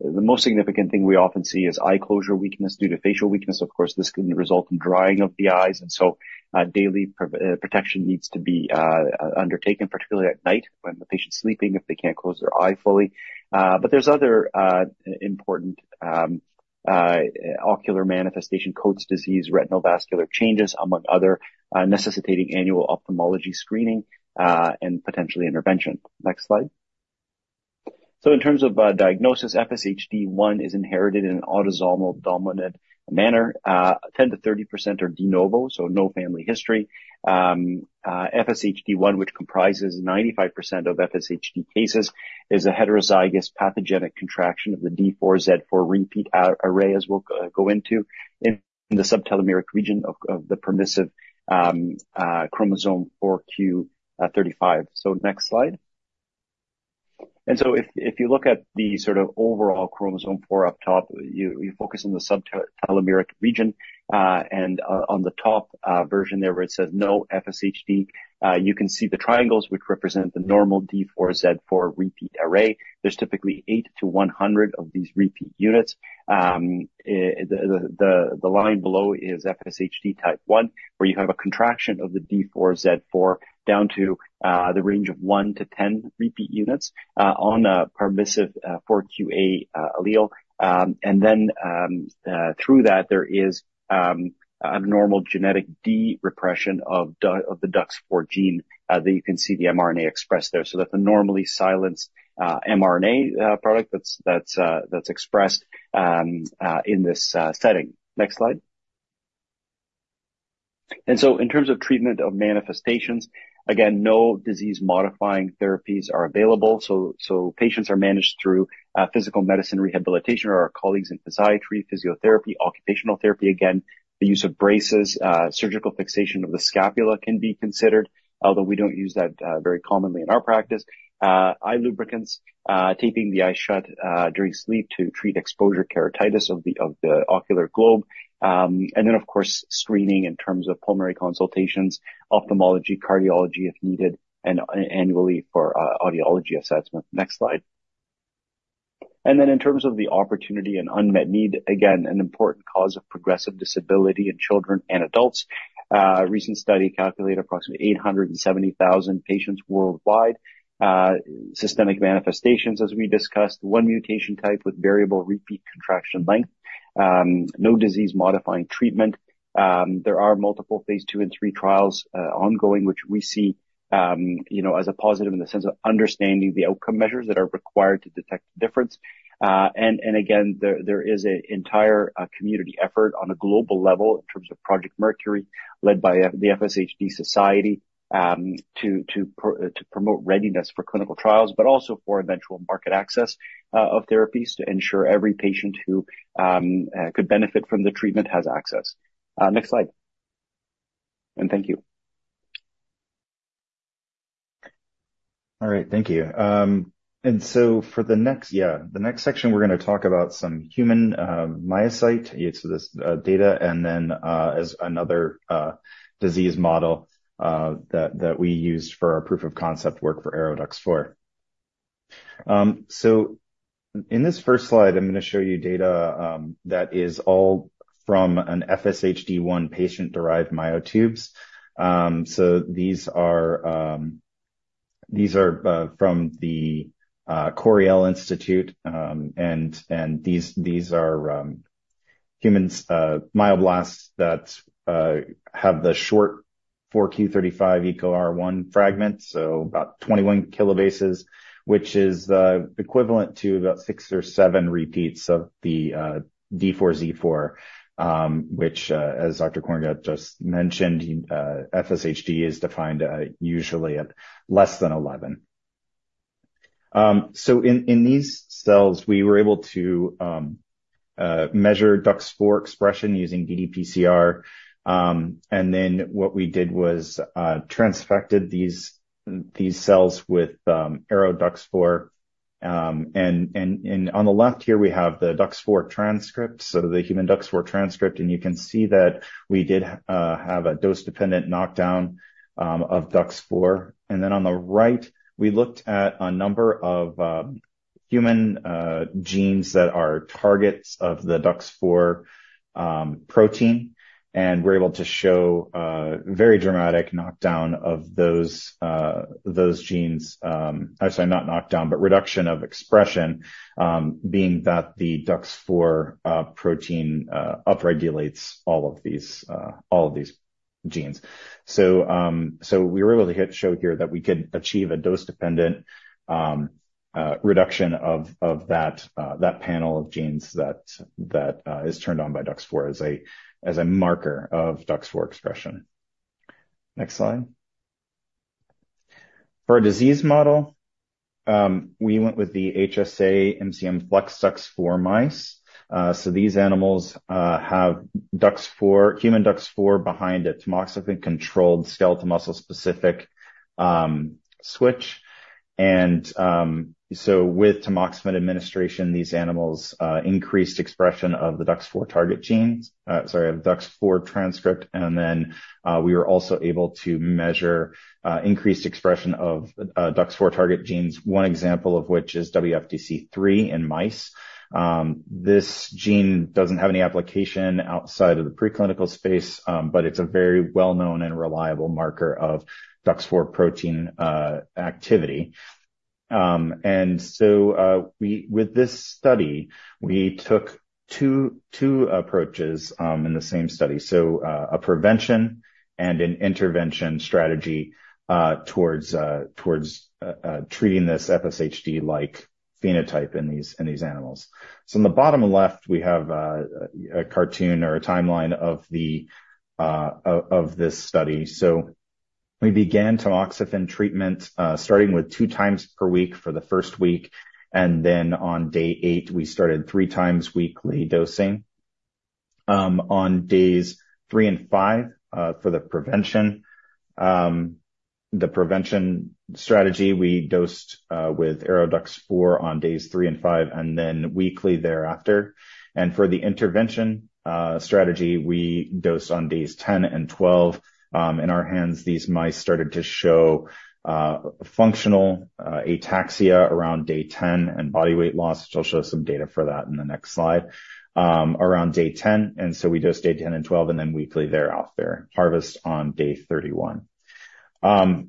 the most significant thing we often see is eye closure weakness due to facial weakness. Of course, this can result in drying of the eyes, and so, daily proper protection needs to be undertaken, particularly at night when the patient's sleeping, if they can't close their eye fully. But there's other important ocular manifestations, Coats' disease, retinal vascular changes, among other, necessitating annual ophthalmology screening, and potentially intervention. Next slide. So in terms of diagnosis, FSHD1 is inherited in an autosomal dominant manner. 10%-30% are de novo, so no family history. FSHD1, which comprises 95% of FSHD cases, is a heterozygous pathogenic contraction of the D4Z4 repeat array, as we'll go into, in the subtelomeric region of the permissive chromosome 4q35. Next slide. If you look at the sort of overall chromosome 4 up top, you focus on the subtelomeric region, and on the top version there, where it says, "No FSHD," you can see the triangles, which represent the normal D4Z4 repeat array. There's typically 8-100 of these repeat units. The line below is FSHD type one, where you have a contraction of the D4Z4 down to the range of 1-10 repeat units on a permissive 4qA allele. And then, through that, there is a normal genetic derepression of the DUX4 gene, that you can see the mRNA expressed there. So that's a normally silenced mRNA product, that's expressed in this setting. Next slide. And so in terms of treatment of manifestations, again, no disease-modifying therapies are available, so patients are managed through physical medicine rehabilitation, or our colleagues in physiatry, physiotherapy, occupational therapy. Again, the use of braces, surgical fixation of the scapula can be considered, although we don't use that very commonly in our practice. Eye lubricants, taping the eye shut during sleep to treat exposure keratitis of the ocular globe. And then, of course, screening in terms of pulmonary consultations, ophthalmology, cardiology if needed, and annually for audiology assessment. Next slide. And then in terms of the opportunity and unmet need, again, an important cause of progressive disability in children and adults. A recent study calculated approximately 870,000 patients worldwide. Systemic manifestations, as we discussed, one mutation type with variable repeat contraction length, no disease-modifying treatment. There are multiple Phase 2 and 3 trials ongoing, which we see, you know, as a positive in the sense of understanding the outcome measures that are required to detect difference. And again, there is an entire community effort on a global level in terms of Project Mercury, led by the FSHD Society, to promote readiness for clinical trials, but also for eventual market access of therapies to ensure every patient who could benefit from the treatment has access. Next slide. And thank you. All right. Thank you. And so for the next section, we're gonna talk about some human myocytes. This data, and then, as another disease model that we used for our proof of concept work for ARO-DUX4. So in this first slide, I'm gonna show you data that is all from an FSHD1 patient-derived myotubes. So these are from the Coriell Institute. And these are human myoblasts that have the short 4q35 EcoRI fragment, so about 21 kilobases, which is equivalent to about 6 or 7 repeats of the D4Z4, which, as Dr. Korngut just mentioned, FSHD is defined usually at less than 11. So in these cells, we were able to measure DUX4 expression using ddPCR. And then what we did was transfected these cells with ARO-DUX4. And on the left here, we have the DUX4 transcript, so the human DUX4 transcript, and you can see that we did have a dose-dependent knockdown of DUX4. And then on the right, we looked at a number of human genes that are targets of the DUX4 protein, and we're able to show a very dramatic knockdown of those genes. Sorry, not knockdown, but reduction of expression, being that the DUX4 protein upregulates all of these genes. So, we were able to show here that we could achieve a dose-dependent reduction of that panel of genes that is turned on by DUX4 as a marker of DUX4 expression. Next slide. For a disease model, we went with the HSA MCM FLExDUX4 mice. So these animals have DUX4, human DUX4 behind a tamoxifen-controlled skeletal muscle-specific switch. And so with tamoxifen administration, these animals increased expression of the DUX4 target genes, sorry, of DUX4 transcript. And then we were also able to measure increased expression of DUX4 target genes, one example of which is WFDC3 in mice. This gene doesn't have any application outside of the preclinical space, but it's a very well-known and reliable marker of DUX4 protein activity. With this study, we took two approaches in the same study. So, a prevention and an intervention strategy towards treating this FSHD-like phenotype in these animals. So in the bottom left, we have a cartoon or a timeline of this study. So we began tamoxifen treatment, starting with 2 times per week for the first week, and then on day 8, we started 3 times weekly dosing. On days 3 and 5, for the prevention strategy, we dosed with ARO-DUX4 on days 3 and 5, and then weekly thereafter. And for the intervention strategy, we dosed on days 10 and 12. In our hands, these mice started to show functional ataxia around day 10 and body weight loss, which I'll show some data for that in the next slide. Around day 10, and so we dosed day 10 and 12, and then weekly thereafter. Harvest on day 31.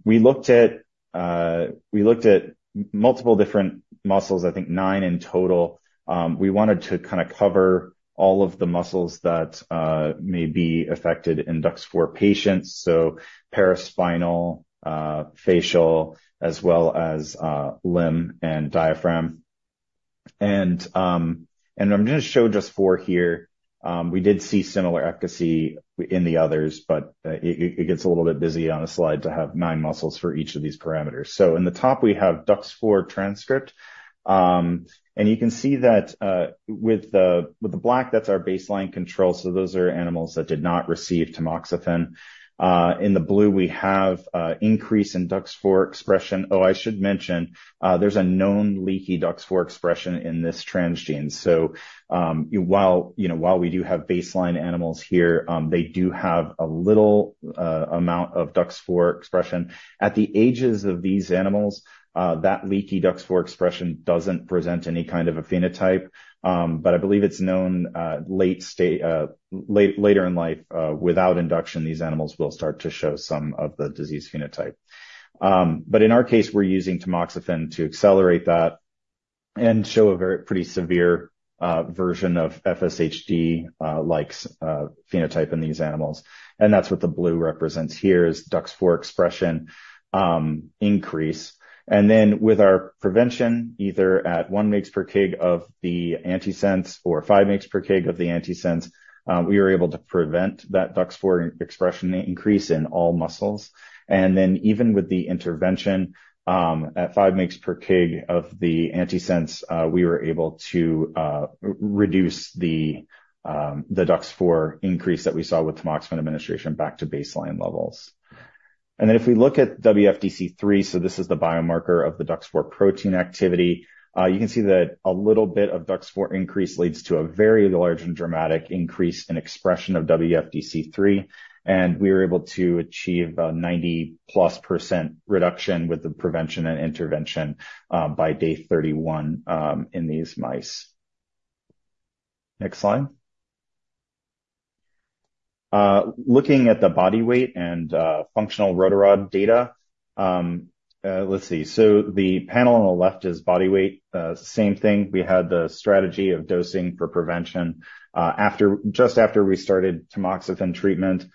We looked at multiple different muscles, I think nine in total. We wanted to kind of cover all of the muscles that may be affected in DUX4 patients, so paraspinal, facial, as well as limb and diaphragm. And I'm gonna show just four here. We did see similar efficacy in the others, but it gets a little bit busy on a slide to have nine muscles for each of these parameters. So in the top, we have DUX4 transcript. And you can see that, with the black, that's our baseline control, so those are animals that did not receive tamoxifen. In the blue, we have increase in DUX4 expression. Oh, I should mention, there's a known leaky DUX4 expression in this transgene. So, while, you know, while we do have baseline animals here, they do have a little amount of DUX4 expression. At the ages of these animals, that leaky DUX4 expression doesn't present any kind of a phenotype, but I believe it's known, later in life, without induction, these animals will start to show some of the disease phenotype. But in our case, we're using tamoxifen to accelerate that. and show a very pretty severe version of FSHD, like a phenotype in these animals, and that's what the blue represents here, is DUX4 expression increase. And then with our prevention, either at 1 mg/kg of the antisense or 5 mg/kg of the antisense, we were able to prevent that DUX4 expression increase in all muscles. And then even with the intervention, at 5 mg/kg of the antisense, we were able to reduce the DUX4 increase that we saw with tamoxifen administration back to baseline levels. And then if we look at WFDC3, so this is the biomarker of the DUX4 protein activity, you can see that a little bit of DUX4 increase leads to a very large and dramatic increase in expression of WFDC3, and we were able to achieve a 90+% reduction with the prevention and intervention, by day 31, in these mice. Next slide. Looking at the body weight and functional rotarod data. Let's see. So the panel on the left is body weight. Same thing, we had the strategy of dosing for prevention, just after we started tamoxifen treatment.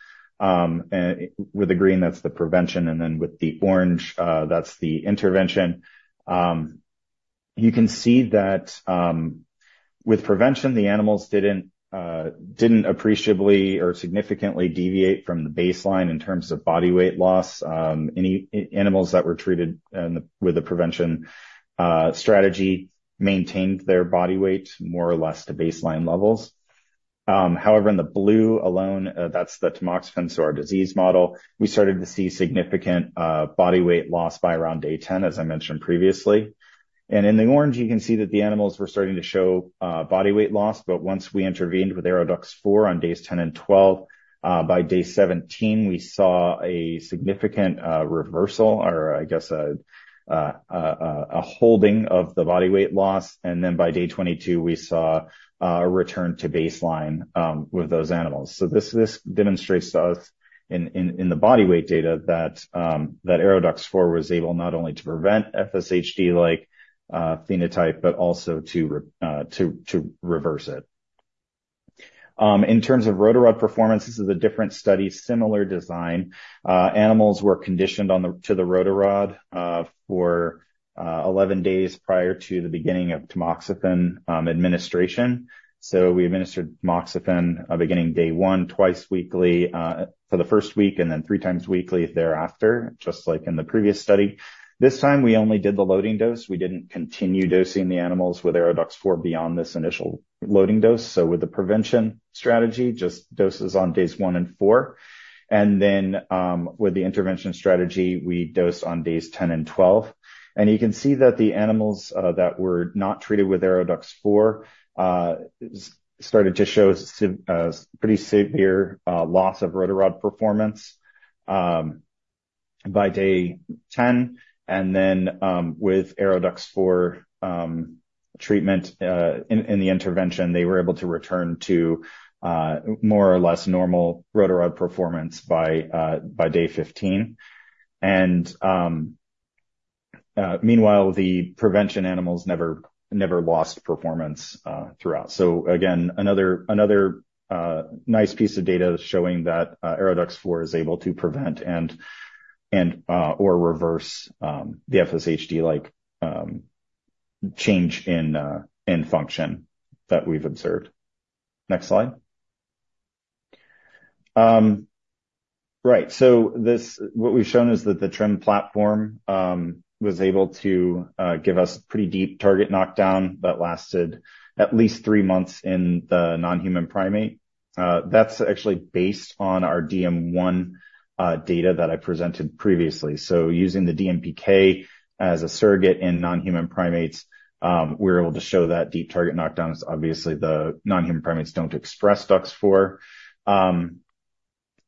And with the green, that's the prevention, and then with the orange, that's the intervention. You can see that, with prevention, the animals didn't appreciably or significantly deviate from the baseline in terms of body weight loss. Any animals that were treated with the prevention strategy maintained their body weight more or less to baseline levels. However, in the blue alone, that's the tamoxifen, so our disease model, we started to see significant body weight loss by around day 10, as I mentioned previously. And in the orange, you can see that the animals were starting to show body weight loss. But once we intervened with ARO-DUX4 on days 10 and 12, by day 17, we saw a significant reversal or I guess, a holding of the body weight loss, and then by day 22, we saw a return to baseline with those animals. So this demonstrates to us in the body weight data that ARO-DUX4 was able not only to prevent FSHD-like phenotype, but also to reverse it. In terms of rotarod performance, this is a different study, similar design. Animals were conditioned to the rotarod for 11 days prior to the beginning of tamoxifen administration. So we administered tamoxifen on beginning day 1, twice weekly, for the first week, and then three times weekly thereafter, just like in the previous study. This time, we only did the loading dose. We didn't continue dosing the animals with ARO-DUX4 beyond this initial loading dose. So with the prevention strategy, just doses on days 1 and 4, and then with the intervention strategy, we dosed on days 10 and 12. You can see that the animals that were not treated with ARO-DUX4 started to show pretty severe loss of rotarod performance by day 10, and then, with ARO-DUX4 treatment in the intervention, they were able to return to more or less normal rotarod performance by day 15. Meanwhile, the prevention animals never lost performance throughout. So again, another nice piece of data showing that ARO-DUX4 is able to prevent and or reverse the FSHD-like change in function that we've observed. Next slide. Right, so this, what we've shown is that the TRiM platform was able to give us pretty deep target knockdown that lasted at least 3 months in the non-human primate. That's actually based on our DM1 data that I presented previously. So using the DMPK as a surrogate in non-human primates, we're able to show that deep target knockdown is obviously the non-human primates don't express DUX4.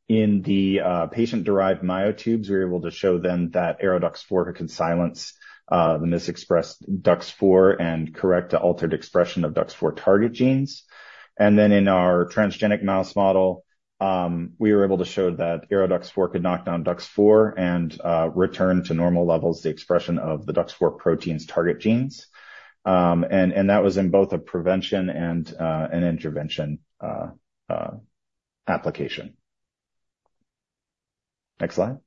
In the patient-derived myotubes, we're able to show then that ARO-DUX4 can silence the misexpressed DUX4 and correct the altered expression of DUX4 target genes. And then in our transgenic mouse model, we were able to show that ARO-DUX4 could knock down DUX4 and return to normal levels the expression of the DUX4 proteins target genes. And that was in both a prevention and an intervention application. Next slide.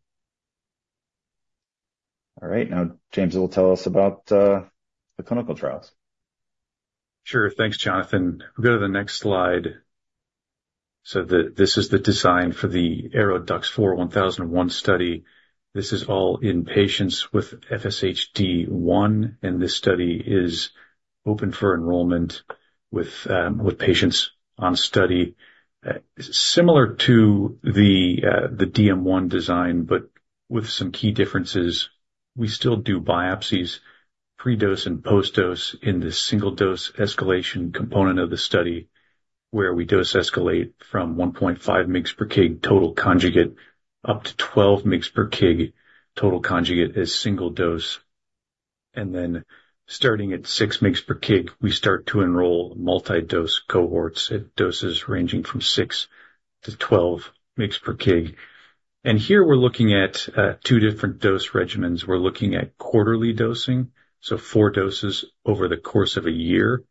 All right, now James will tell us about the clinical trials. Sure. Thanks, Jonathan. We'll go to the next slide. So this is the design for the ARO-DUX4-1001 study. This is all in patients with FSHD1, and this study is open for enrollment with patients on study. Similar to the DM1 design, but with some key differences. We still do biopsies, pre-dose and post-dose, in the single-dose escalation component of the study, where we dose escalate from 1.5 mg/kg total conjugate up to 12 mg/kg total conjugate as single dose. And then starting at 6 mg/kg, we start to enroll multi-dose cohorts at doses ranging from 6-12 mg/kg. And here we're looking at two different dose regimens. We're looking at quarterly dosing, so 4 doses over the course of a year,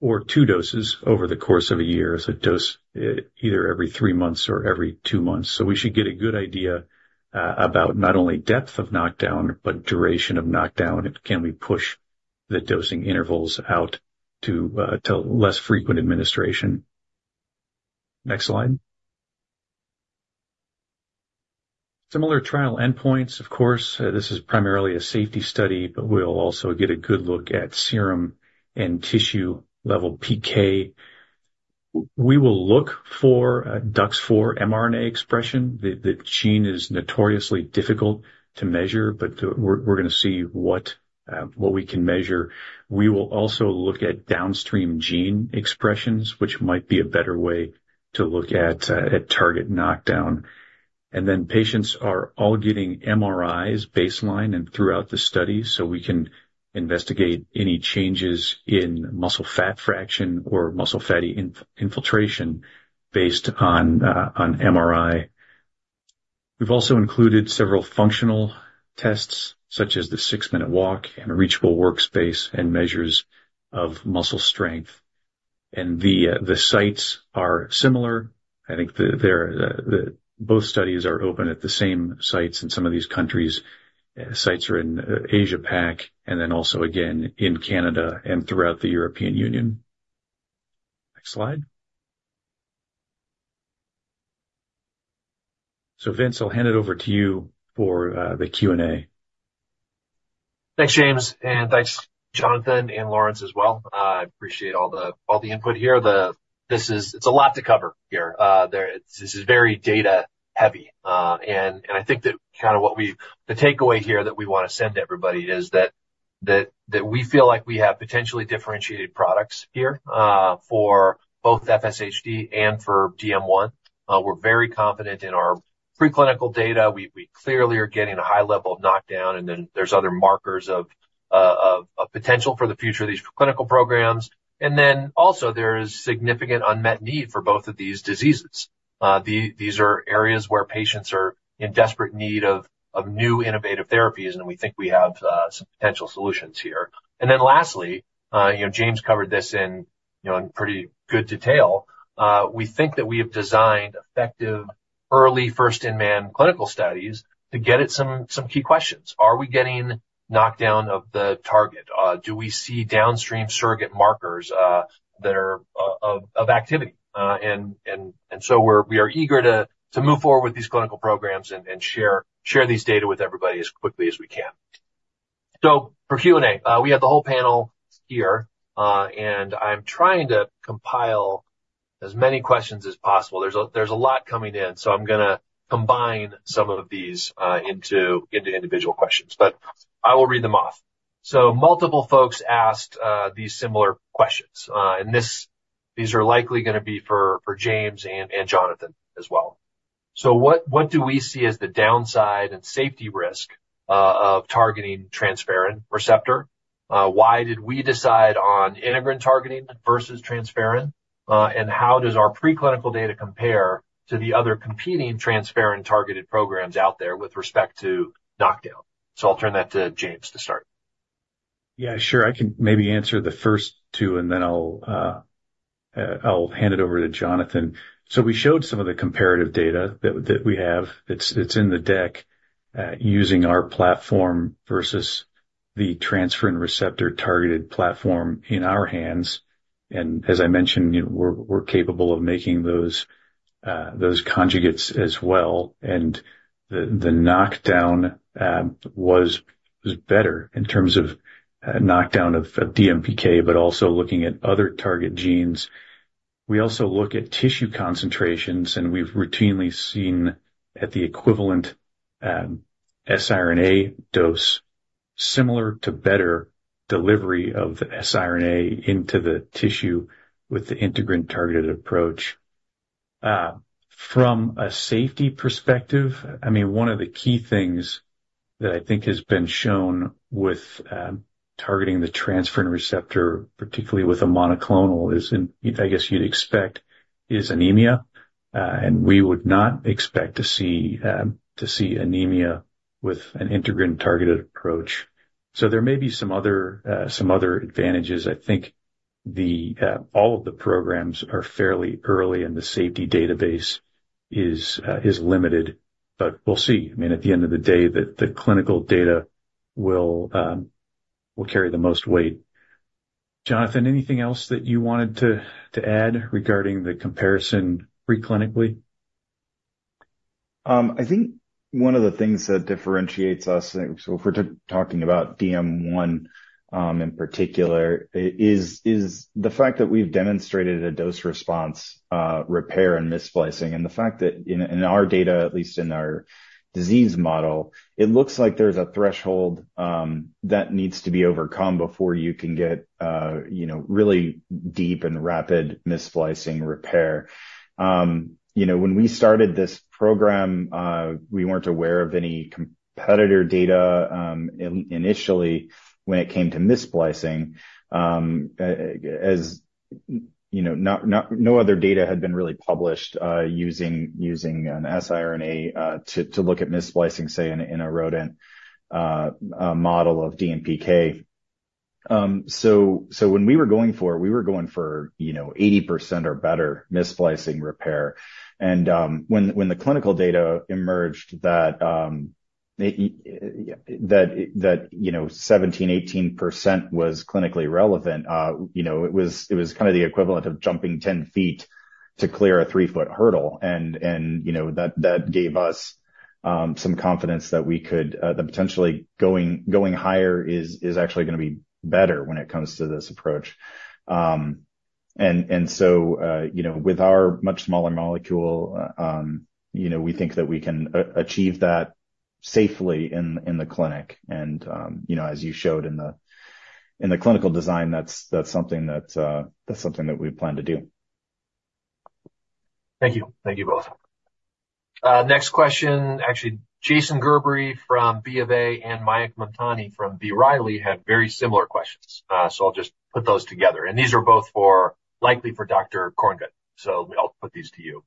or 2 doses over the course of a year, so dose, either every 3 months or every 2 months. So we should get a good idea, about not only depth of knockdown, but duration of knockdown, and can we push the dosing intervals out to, to less frequent administration. Next slide. Similar trial endpoints. Of course, this is primarily a safety study, but we'll also get a good look at serum and tissue-level PK. We will look for, DUX4 mRNA expression. The, the gene is notoriously difficult to measure, but, we're gonna see what, what we can measure. We will also look at downstream gene expressions, which might be a better way to look at, at target knockdown. Then patients are all getting MRIs, baseline, and throughout the study, so we can investigate any changes in muscle fat fraction or muscle fatty infiltration based upon on MRI. We've also included several functional tests, such as the 6-minute walk and a reachable workspace, and measures of muscle strength. And the sites are similar. I think they're both studies are open at the same sites in some of these countries. Sites are in Asia-Pac, and then also, again, in Canada and throughout the European Union. Next slide. So Vince, I'll hand it over to you for the Q&A. Thanks, James, and thanks, Jonathan and Lawrence, as well. I appreciate all the input here. This is a lot to cover here. This is very data heavy. I think that kinda what we've... The takeaway here that we wanna send to everybody is that we feel like we have potentially differentiated products here for both FSHD and for DM1. We're very confident in our preclinical data. We clearly are getting a high level of knockdown, and then there's other markers of potential for the future of these clinical programs. And then also, there is significant unmet need for both of these diseases. These are areas where patients are in desperate need of new innovative therapies, and we think we have some potential solutions here. And then lastly, you know, James covered this in, you know, in pretty good detail. We think that we have designed effective, early, first-in-man clinical studies to get at some key questions. Are we getting knockdown of the target? Do we see downstream surrogate markers that are of activity? And so we are eager to move forward with these clinical programs and share these data with everybody as quickly as we can. So for Q&A, we have the whole panel here, and I'm trying to compile as many questions as possible. There's a lot coming in, so I'm gonna combine some of these into individual questions, but I will read them off. So multiple folks asked these similar questions, and these are likely gonna be for James and Jonathan as well. So what do we see as the downside and safety risk of targeting transferrin receptor? Why did we decide on integrin targeting versus transferrin? And how does our preclinical data compare to the other competing transferrin-targeted programs out there with respect to knockdown? So I'll turn that to James to start. Yeah, sure. I can maybe answer the first two, and then I'll hand it over to Jonathan. So we showed some of the comparative data that we have. It's in the deck using our platform versus the transferrin receptor-targeted platform in our hands. And as I mentioned, you know, we're capable of making those conjugates as well. And the knockdown was better in terms of knockdown of DMPK, but also looking at other target genes. We also look at tissue concentrations, and we've routinely seen at the equivalent siRNA dose, similar to better delivery of siRNA into the tissue with the integrin-targeted approach. From a safety perspective, I mean, one of the key things that I think has been shown with targeting the transferrin receptor, particularly with a monoclonal, is, I guess you'd expect, anemia. And we would not expect to see anemia with an integrin-targeted approach. So there may be some other advantages. I think all of the programs are fairly early, and the safety database is limited, but we'll see. I mean, at the end of the day, the clinical data will carry the most weight. Jonathan, anything else that you wanted to add regarding the comparison preclinically? I think one of the things that differentiates us, so if we're talking about DM1, in particular, is the fact that we've demonstrated a dose response, repair in mis-splicing, and the fact that in our data, at least in our disease model, it looks like there's a threshold that needs to be overcome before you can get, you know, really deep and rapid mis-splicing repair. You know, when we started this program, we weren't aware of any competitor data, initially when it came to mis-splicing. As you know, no other data had been really published, using an siRNA to look at mis-splicing, say, in a rodent model of DMPK. So, so when we were going for it, we were going for, you know, 80% or better mis-splicing repair. And, when, when the clinical data emerged that, that, you know, 17, 18% was clinically relevant, you know, it was, it was kind of the equivalent of jumping 10 feet to clear a 3-foot hurdle. And, and, you know, that, that gave us, some confidence that we could, that potentially going, going higher is, is actually gonna be better when it comes to this approach. And, and so, you know, with our much smaller molecule, you know, we think that we can achieve that safely in, in the clinic. And, you know, as you showed in the, in the clinical design, that's, that's something that, that's something that we plan to do. Thank you. Thank you both. Next question, actually, Jason Gerberry from B of A, and Mayank Mamtani from B. Riley, had very similar questions. So I'll just put those together. And these are both for—likely for Dr. Korngut, so I'll put these to you.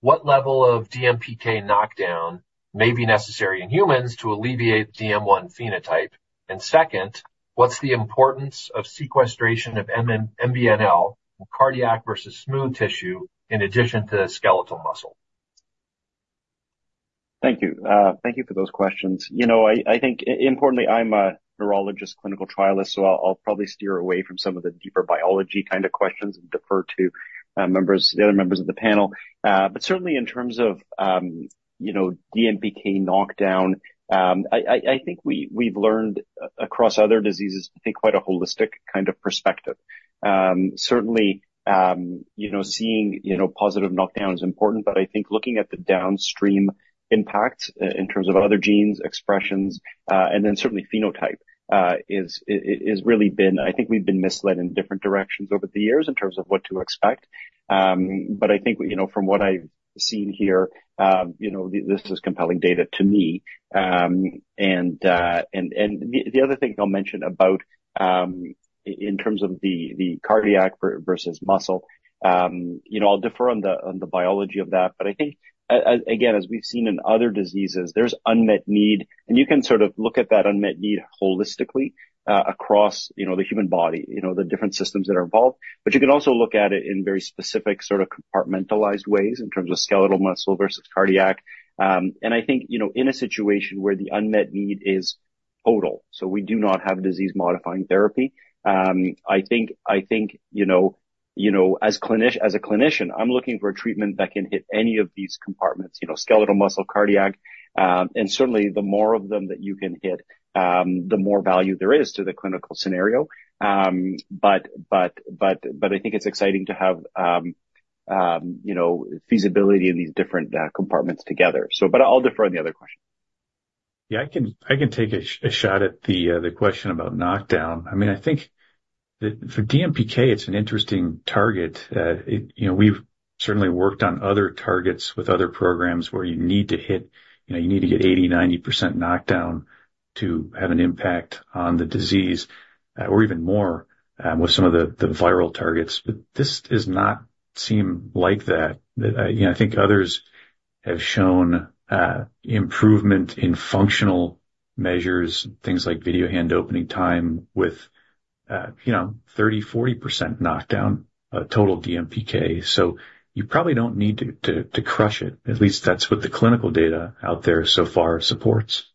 What level of DMPK knockdown may be necessary in humans to alleviate DM1 phenotype? And second, what's the importance of sequestration of MBNL in cardiac versus smooth tissue in addition to skeletal muscle? Thank you. Thank you for those questions. You know, I think importantly, I'm a neurologist clinical trialist, so I'll probably steer away from some of the deeper biology kind of questions and defer to the other members of the panel. But certainly in terms of, you know, DMPK knockdown, I think we've learned across other diseases, I think, quite a holistic kind of perspective. Certainly, you know, seeing, you know, positive knockdown is important, but I think looking at the downstream impacts in terms of other genes, expressions, and then certainly phenotype is really been... I think we've been misled in different directions over the years in terms of what to expect. But I think, you know, from what I've seen here, you know, this is compelling data to me. And the other thing I'll mention about, in terms of the cardiac versus muscle, you know, I'll defer on the biology of that, but I think, again, as we've seen in other diseases, there's unmet need, and you can sort of look at that unmet need holistically, across, you know, the human body, you know, the different systems that are involved. But you can also look at it in very specific, sort of compartmentalized ways in terms of skeletal muscle versus cardiac. I think, you know, in a situation where the unmet need is total, so we do not have a disease-modifying therapy, I think, you know, you know, as a clinician, I'm looking for a treatment that can hit any of these compartments, you know, skeletal muscle, cardiac, and certainly the more of them that you can hit, the more value there is to the clinical scenario. But I think it's exciting to have, you know, feasibility in these different compartments together. So, but I'll defer on the other question. Yeah, I can, I can take a, a shot at the question about knockdown. I mean, I think for DMPK, it's an interesting target. You know, we've certainly worked on other targets with other programs where you need to hit, you know, you need to get 80%-90% knockdown to have an impact on the disease, or even more, with some of the viral targets. But this does not seem like that. That, you know, I think others have shown improvement in functional measures, things like video hand opening time with, you know, 30%-40% knockdown, total DMPK. So you probably don't need to crush it. At least that's what the clinical data out there so far supports.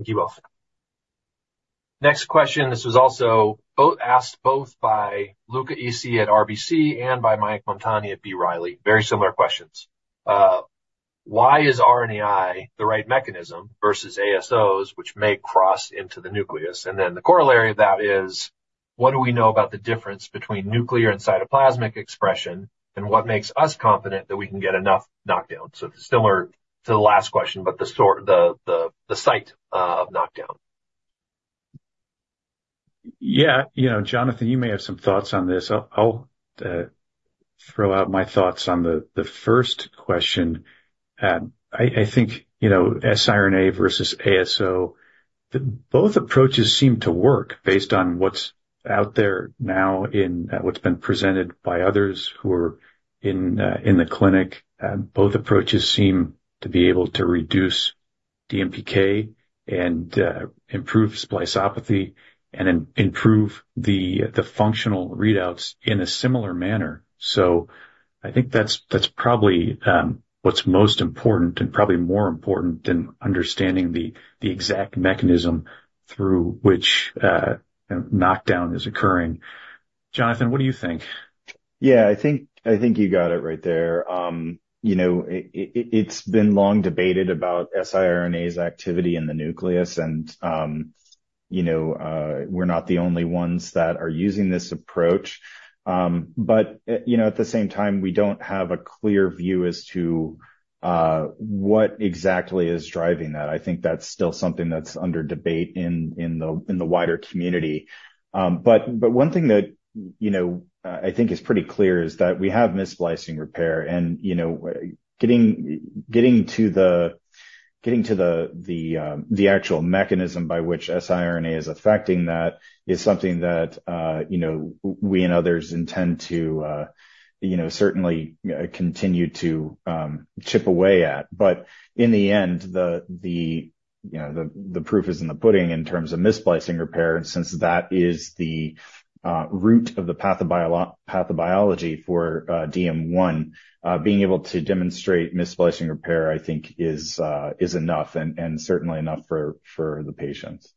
Thank you both. Next question, this was also asked both by Luca Issi at RBC and by Mayank Mamtani at B. Riley. Very similar questions. Why is RNAi the right mechanism versus ASOs, which may cross into the nucleus? And then the corollary of that is: What do we know about the difference between nuclear and cytoplasmic expression, and what makes us confident that we can get enough knockdown? So similar to the last question, but the site of knockdown. Yeah. You know, Jonathan, you may have some thoughts on this. I'll, I'll, throw out my thoughts on the first question. I think, you know, siRNA versus ASO, both approaches seem to work based on what's out there now in what's been presented by others who are in the clinic. Both approaches seem to be able to reduce DMPK and improve spliceopathy and improve the functional readouts in a similar manner. So I think that's, that's probably what's most important and probably more important than understanding the exact mechanism through which knockdown is occurring. Jonathan, what do you think? Yeah, I think, I think you got it right there. You know, it's been long debated about siRNAs activity in the nucleus, and, you know, we're not the only ones that are using this approach. But, you know, at the same time, we don't have a clear view as to what exactly is driving that. I think that's still something that's under debate in the wider community. But one thing that, you know, I think is pretty clear is that we have mis-splicing repair, and, you know, getting to the actual mechanism by which siRNA is affecting that is something that, you know, we and others intend to, you know, certainly continue to chip away at. But in the end, the, you know, the proof is in the pudding in terms of mis-splicing repair, and since that is the root of the pathobiology for DM1, being able to demonstrate mis-splicing repair, I think, is enough and certainly enough for the patients.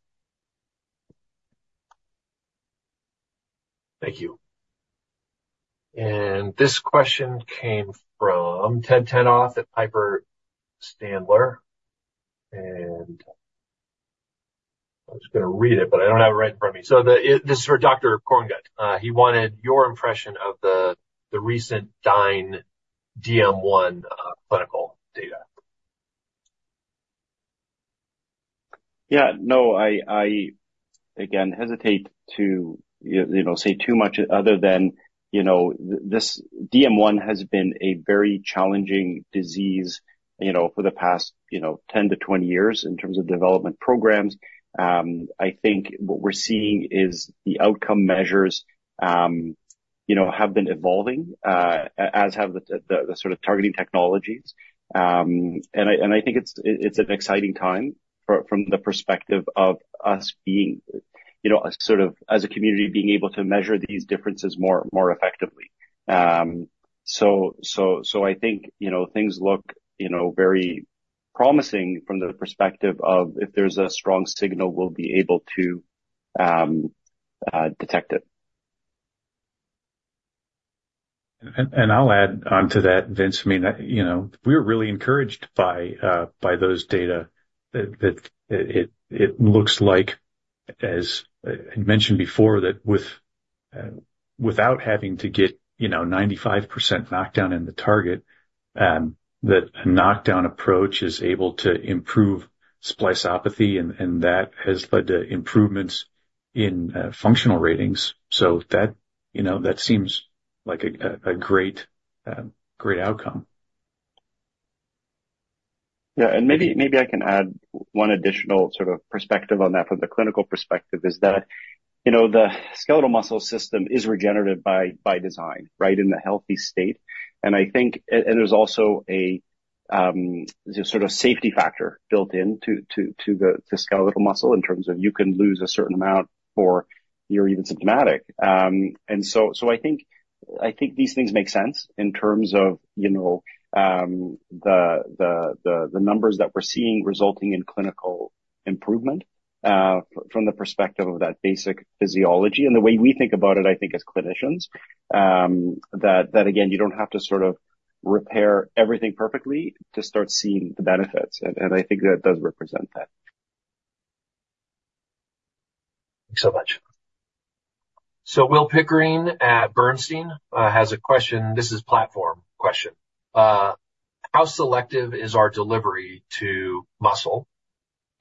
Thank you. And this question came from Ted Tenthoff at Piper Sandler, and I was going to read it, but I don't have it right in front of me. So the, this is for Dr. Korngut. He wanted your impression of the recent Dyne DM1 clinical data. Yeah, no, I again hesitate to you know, say too much other than, you know, this DM1 has been a very challenging disease, you know, for the past, you know, 10-20 years in terms of development programs. I think what we're seeing is the outcome measures, you know, have been evolving, as have the sort of targeting technologies. I think it's an exciting time from the perspective of us being, you know, sort of as a community, being able to measure these differences more effectively. So I think, you know, things look, you know, very promising from the perspective of, if there's a strong signal, we'll be able to detect it. I'll add on to that, Vince. I mean, you know, we're really encouraged by those data, that it looks like, as I mentioned before, that without having to get, you know, 95% knockdown in the target, that a knockdown approach is able to improve spliceopathy, and that has led to improvements in functional ratings. So that, you know, that seems like a great outcome. Yeah, and maybe I can add one additional sort of perspective on that from the clinical perspective: is that, you know, the skeletal muscle system is regenerative by design, right, in the healthy state. And I think and there's also a sort of safety factor built into the skeletal muscle in terms of you can lose a certain amount before you're even symptomatic. And so I think these things make sense in terms of, you know, the numbers that we're seeing resulting in clinical improvement from the perspective of that basic physiology. And the way we think about it, I think as clinicians, that again, you don't have to sort of repair everything perfectly to start seeing the benefits. And I think that does represent that. Thanks so much. So Will Pickering at Bernstein has a question. This is platform question. How selective is our delivery to muscle?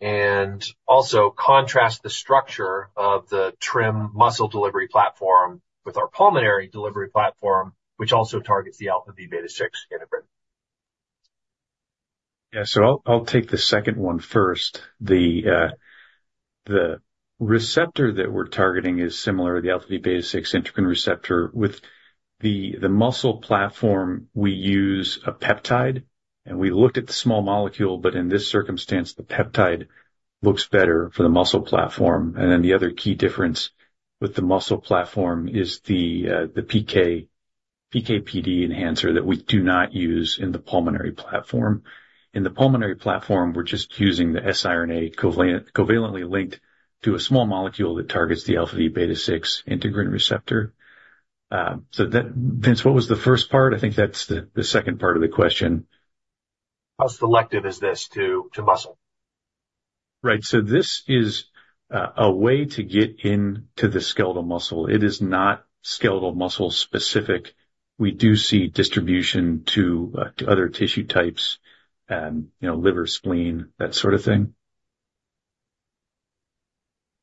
And also contrast the structure of the TRiM muscle delivery platform with our pulmonary delivery platform, which also targets the alpha-v beta-6 integrin. Yeah. So I'll, I'll take the second one first. The receptor that we're targeting is similar to the alpha-v beta-6 integrin receptor. With the muscle platform, we use a peptide, and we looked at the small molecule, but in this circumstance, the peptide looks better for the muscle platform. And then the other key difference with the muscle platform is the PK, PK/PD enhancer that we do not use in the pulmonary platform. In the pulmonary platform, we're just using the siRNA covalently linked to a small molecule that targets the alpha-v beta-6 integrin receptor. So that... Vince, what was the first part? I think that's the second part of the question. How selective is this to muscle? Right. So this is a way to get into the skeletal muscle. It is not skeletal muscle specific. We do see distribution to, to other tissue types, you know, liver, spleen, that sort of thing.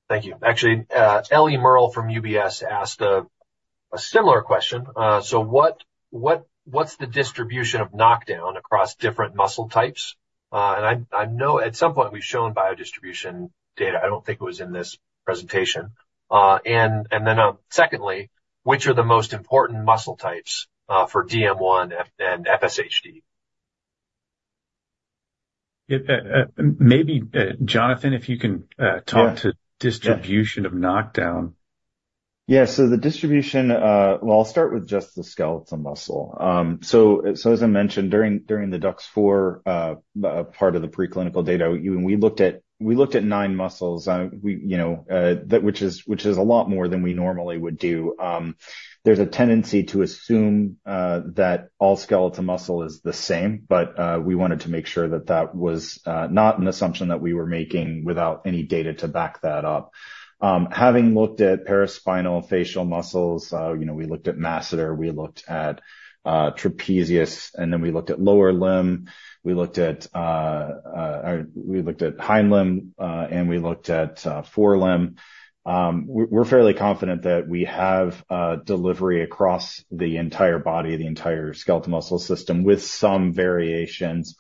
Thank you. Actually, Ellie Merle from UBS asked a similar question. So what’s the distribution of knockdown across different muscle types? And I know at some point we’ve shown biodistribution data. I don’t think it was in this presentation. And then, secondly, which are the most important muscle types for DM1 and FSHD? Maybe, Jonathan, if you can, talk to- Yeah. Distribution of knockdown. Yeah. So the distribution. Well, I'll start with just the skeletal muscle. So as I mentioned, during the DUX4 part of the preclinical data, we looked at 9 muscles. We, you know, that which is a lot more than we normally would do. There's a tendency to assume that all skeletal muscle is the same, but we wanted to make sure that that was not an assumption that we were making without any data to back that up. Having looked at paraspinal facial muscles, you know, we looked at masseter, we looked at trapezius, and then we looked at lower limb, we looked at hind limb, and we looked at forelimb. We're fairly confident that we have delivery across the entire body, the entire skeletal muscle system, with some variations,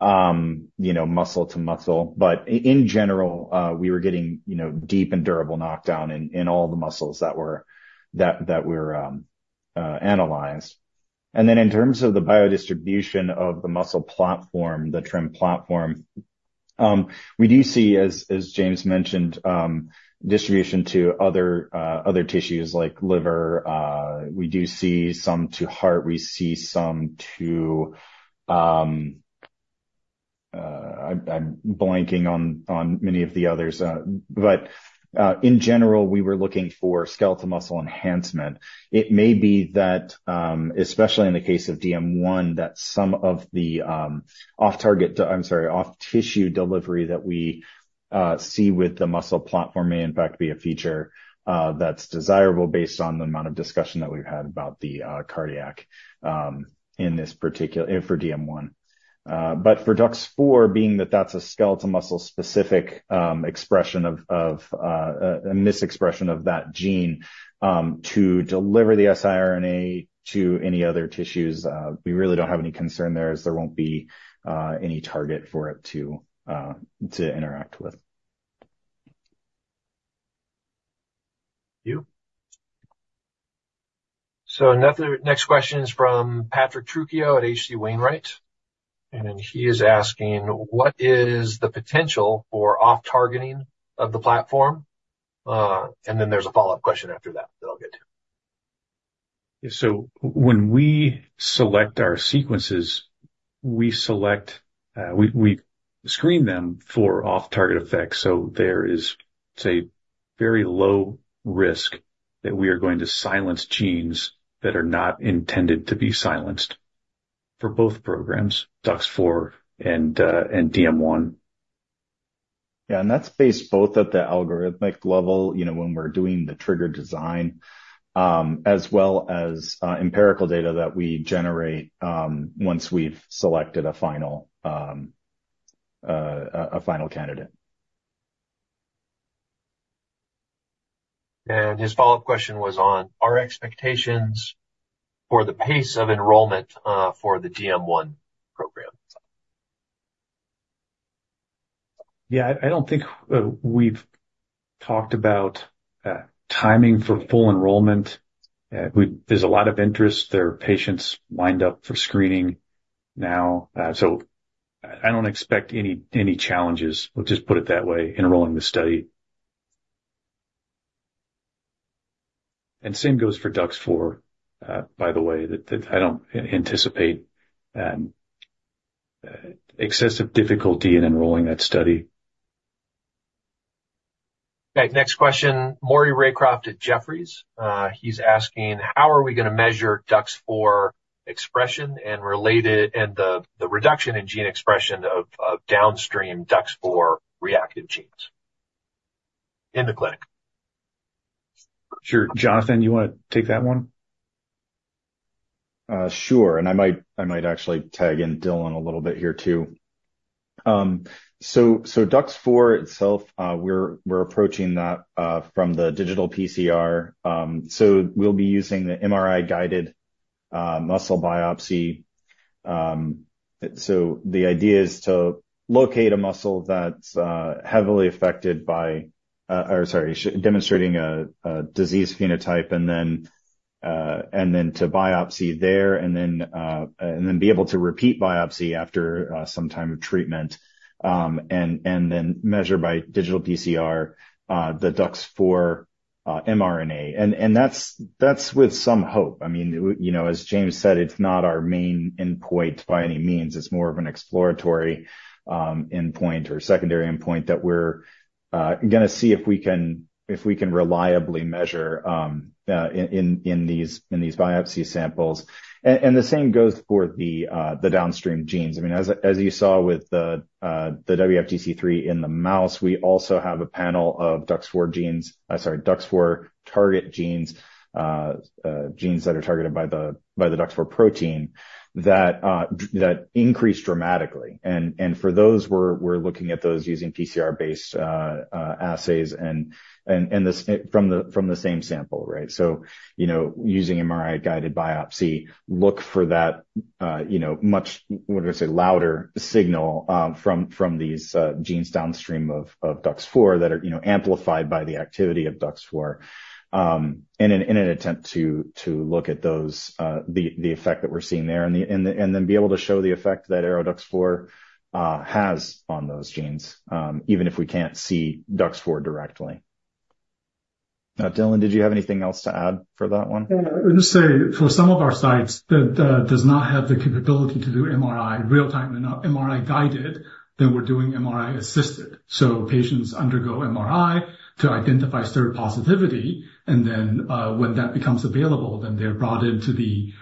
you know, muscle to muscle. But in general, we were getting, you know, deep and durable knockdown in all the muscles that were analyzed. And then in terms of the biodistribution of the muscle platform, the TRiM platform, we do see, as James mentioned, distribution to other tissues, like liver. We do see some to heart, we see some to... I'm blanking on many of the others. But in general, we were looking for skeletal muscle enhancement. It may be that, especially in the case of DM1, that some of the off target, I'm sorry, off tissue delivery that we see with the muscle platform may in fact be a feature, that's desirable based on the amount of discussion that we've had about the cardiac in this particular—for DM1. But for DUX4, being that that's a skeletal muscle specific expression of a misexpression of that gene, to deliver the siRNA to any other tissues, we really don't have any concern there, as there won't be any target for it to interact with. Thank you. So another, next question is from Patrick Trucchio at H.C. Wainwright, and then he is asking: What is the potential for off-targeting of the platform? And then there's a follow-up question after that, that I'll get to. So when we select our sequences, we screen them for off-target effects. So there is, say, very low risk that we are going to silence genes that are not intended to be silenced for both programs, DUX4 and DM1. Yeah, and that's based both at the algorithmic level, you know, when we're doing the trigger design, as well as empirical data that we generate once we've selected a final candidate. His follow-up question was on our expectations for the pace of enrollment for the DM1 program. Yeah, I don't think we've talked about timing for full enrollment. There's a lot of interest. There are patients lined up for screening now. So I don't expect any challenges, we'll just put it that way, enrolling the study. And same goes for DUX4, by the way, that I don't anticipate excessive difficulty in enrolling that study. Okay, next question. Maury Raycroft at Jefferies. He's asking: How are we gonna measure DUX4 expression and relate it, and the reduction in gene expression of downstream DUX4 reactive genes in the clinic? Sure. Jonathan, you wanna take that one? Sure. And I might, I might actually tag in Dylan a little bit here, too. So, so DUX4 itself, we're, we're approaching that, from the digital PCR. So we'll be using the MRI-guided, muscle biopsy. So the idea is to locate a muscle that's, heavily affected by, or sorry, demonstrating a, a disease phenotype, and then, and then to biopsy there, and then, and then be able to repeat biopsy after, some time of treatment. And, and then measure by digital PCR, the DUX4, mRNA. And, and that's, that's with some hope. I mean, you know, as James said, it's not our main endpoint by any means. It's more of an exploratory endpoint or secondary endpoint that we're gonna see if we can, if we can reliably measure in these biopsy samples. And the same goes for the downstream genes. I mean, as you saw with the WFDC3 in the mouse, we also have a panel of DUX4 genes, sorry, DUX4 target genes, genes that are targeted by the DUX4 protein, that that increase dramatically. And for those, we're looking at those using PCR-based assays and this—from the same sample, right? So, you know, using MRI-guided biopsy, look for that, you know, much, what do I say, louder signal, from, from these, genes downstream of, of DUX4 that are, you know, amplified by the activity of DUX4, in an, in an attempt to, to look at those, the, the effect that we're seeing there, and the, and then, and then be able to show the effect that ARO-DUX4 has on those genes, even if we can't see DUX4 directly. Now, Dylan, did you have anything else to add for that one? No, I would just say for some of our sites that does not have the capability to do MRI real-time, enough MRI-guided, then we're doing MRI-assisted. So patients undergo MRI to identify STIR positivity, and then, when that becomes available, then they're brought into the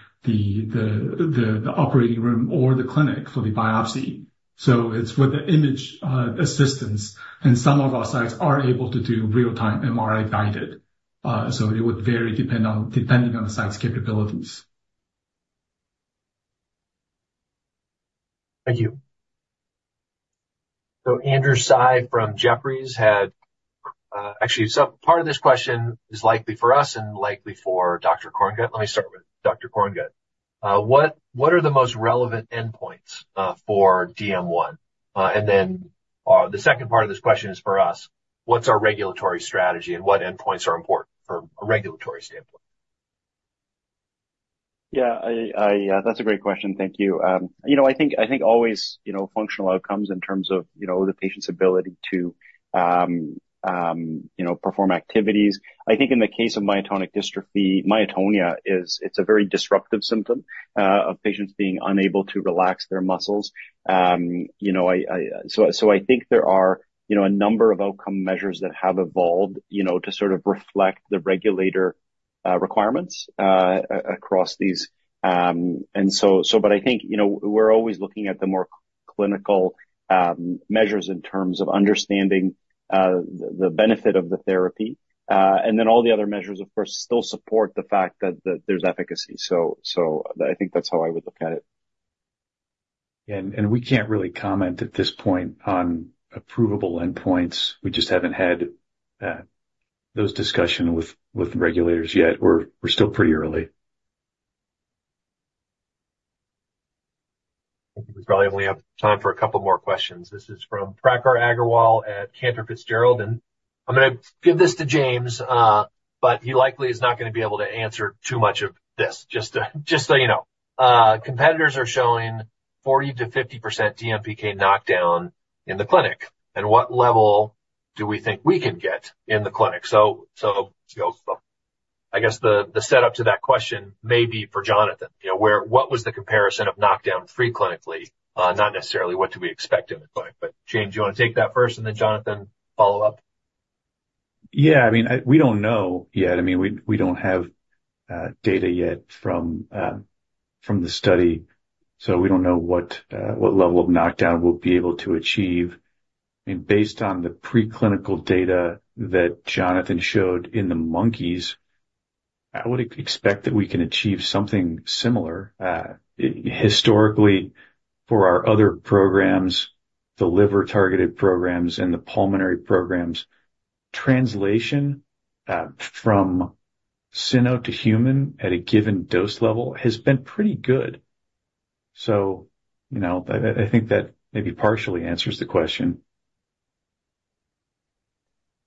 operating room or the clinic for the biopsy. So it's with the image assistance, and some of our sites are able to do real-time MRI-guided. So it would vary depending on the site's capabilities. Thank you. So Andrew Tsai from Jefferies had, actually, so part of this question is likely for us and likely for Dr. Korngut. Let me start with Dr. Korngut. What are the most relevant endpoints for DM1? And then, the second part of this question is for us, what's our regulatory strategy and what endpoints are important from a regulatory standpoint? Yeah, that's a great question. Thank you. You know, I think always, you know, functional outcomes in terms of, you know, the patient's ability to, you know, perform activities. I think in the case of myotonic dystrophy, myotonia is it's a very disruptive symptom of patients being unable to relax their muscles. You know, I—so I think there are, you know, a number of outcome measures that have evolved, you know, to sort of reflect the regulatory requirements across these. And so but I think, you know, we're always looking at the more clinical measures in terms of understanding the benefit of the therapy. And then all the other measures, of course, still support the fact that there's efficacy. So, I think that's how I would look at it. We can't really comment at this point on approvable endpoints. We just haven't had those discussion with the regulators yet. We're still pretty early. I think we probably only have time for a couple more questions. This is from Prakhar Agrawal at Cantor Fitzgerald, and I'm gonna give this to James, but he likely is not gonna be able to answer too much of this. Just so you know. Competitors are showing 40%-50% DMPK knockdown in the clinic, and what level do we think we can get in the clinic? So, I guess the setup to that question may be for Jonathan. You know, what was the comparison of knockdown preclinically? Not necessarily what do we expect in the clinic. But James, you want to take that first, and then Jonathan, follow up? Yeah. I mean, we don't know yet. I mean, we don't have data yet from the study, so we don't know what level of knockdown we'll be able to achieve. I mean, based on the preclinical data that Jonathan showed in the monkeys, I would expect that we can achieve something similar. Historically, for our other programs, the liver-targeted programs and the pulmonary programs, translation from cyno to human at a given dose level has been pretty good. So, you know, I think that maybe partially answers the question.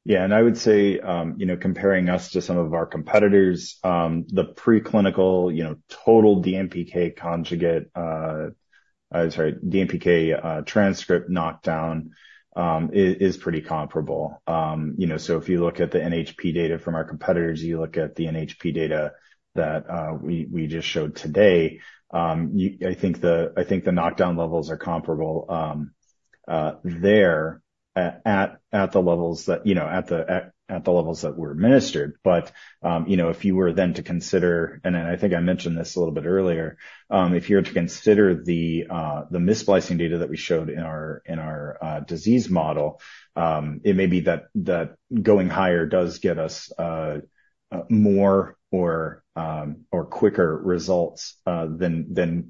Yeah, and I would say, you know, comparing us to some of our competitors, the preclinical, you know, total DMPK conjugate, sorry, DMPK, transcript knockdown, is pretty comparable. You know, so if you look at the NHP data from our competitors, you look at the NHP data that we just showed today, you ... I think the knockdown levels are comparable, there at the levels that were administered. But, you know, if you were then to consider, and then I think I mentioned this a little bit earlier, if you were to consider the mis-splicing data that we showed in our disease model, it may be that going higher does get us more or quicker results than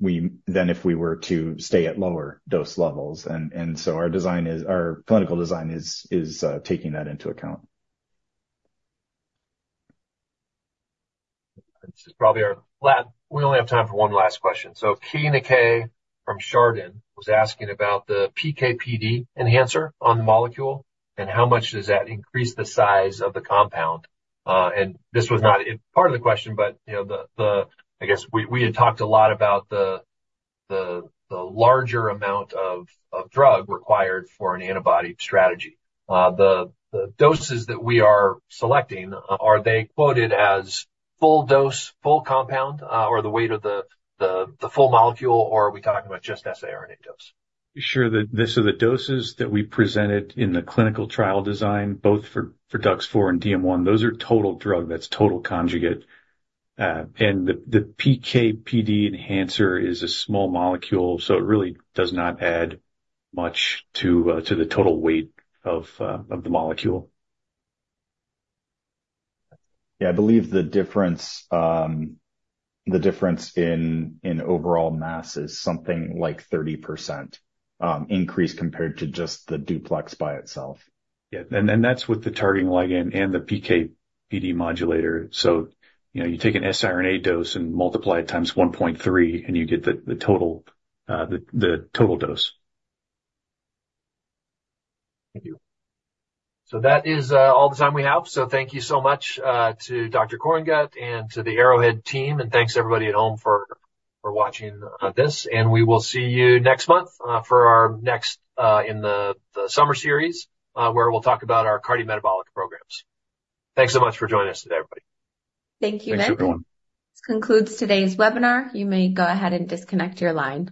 if we were to stay at lower dose levels. And so our design is, our clinical design is taking that into account. This is probably our last. We only have time for one last question. So Keay Nakae from Chardan was asking about the PK/PD enhancer on the molecule, and how much does that increase the size of the compound? And this was not a part of the question, but, you know, the, I guess we had talked a lot about the larger amount of drug required for an antibody strategy. The doses that we are selecting, are they quoted as full dose, full compound, or the weight of the full molecule, or are we talking about just siRNA dose? Sure. These are the doses that we presented in the clinical trial design, both for DUX4 and DM1. Those are total drug, that's total conjugate. And the PK/PD enhancer is a small molecule, so it really does not add much to the total weight of the molecule. Yeah, I believe the difference in overall mass is something like 30% increase compared to just the duplex by itself. Yeah, and that's with the targeting ligand and the PK/PD modulator. So, you know, you take an siRNA dose and multiply it times 1.3, and you get the total dose. Thank you. So that is all the time we have. So thank you so much to Dr. Korngut and to the Arrowhead team, and thanks, everybody, at home for, for watching this. And we will see you next month for our next in the summer series where we'll talk about our cardiometabolic programs. Thanks so much for joining us today, everybody. Thank you, Nick. Thanks, everyone. This concludes today's webinar. You may go ahead and disconnect your line.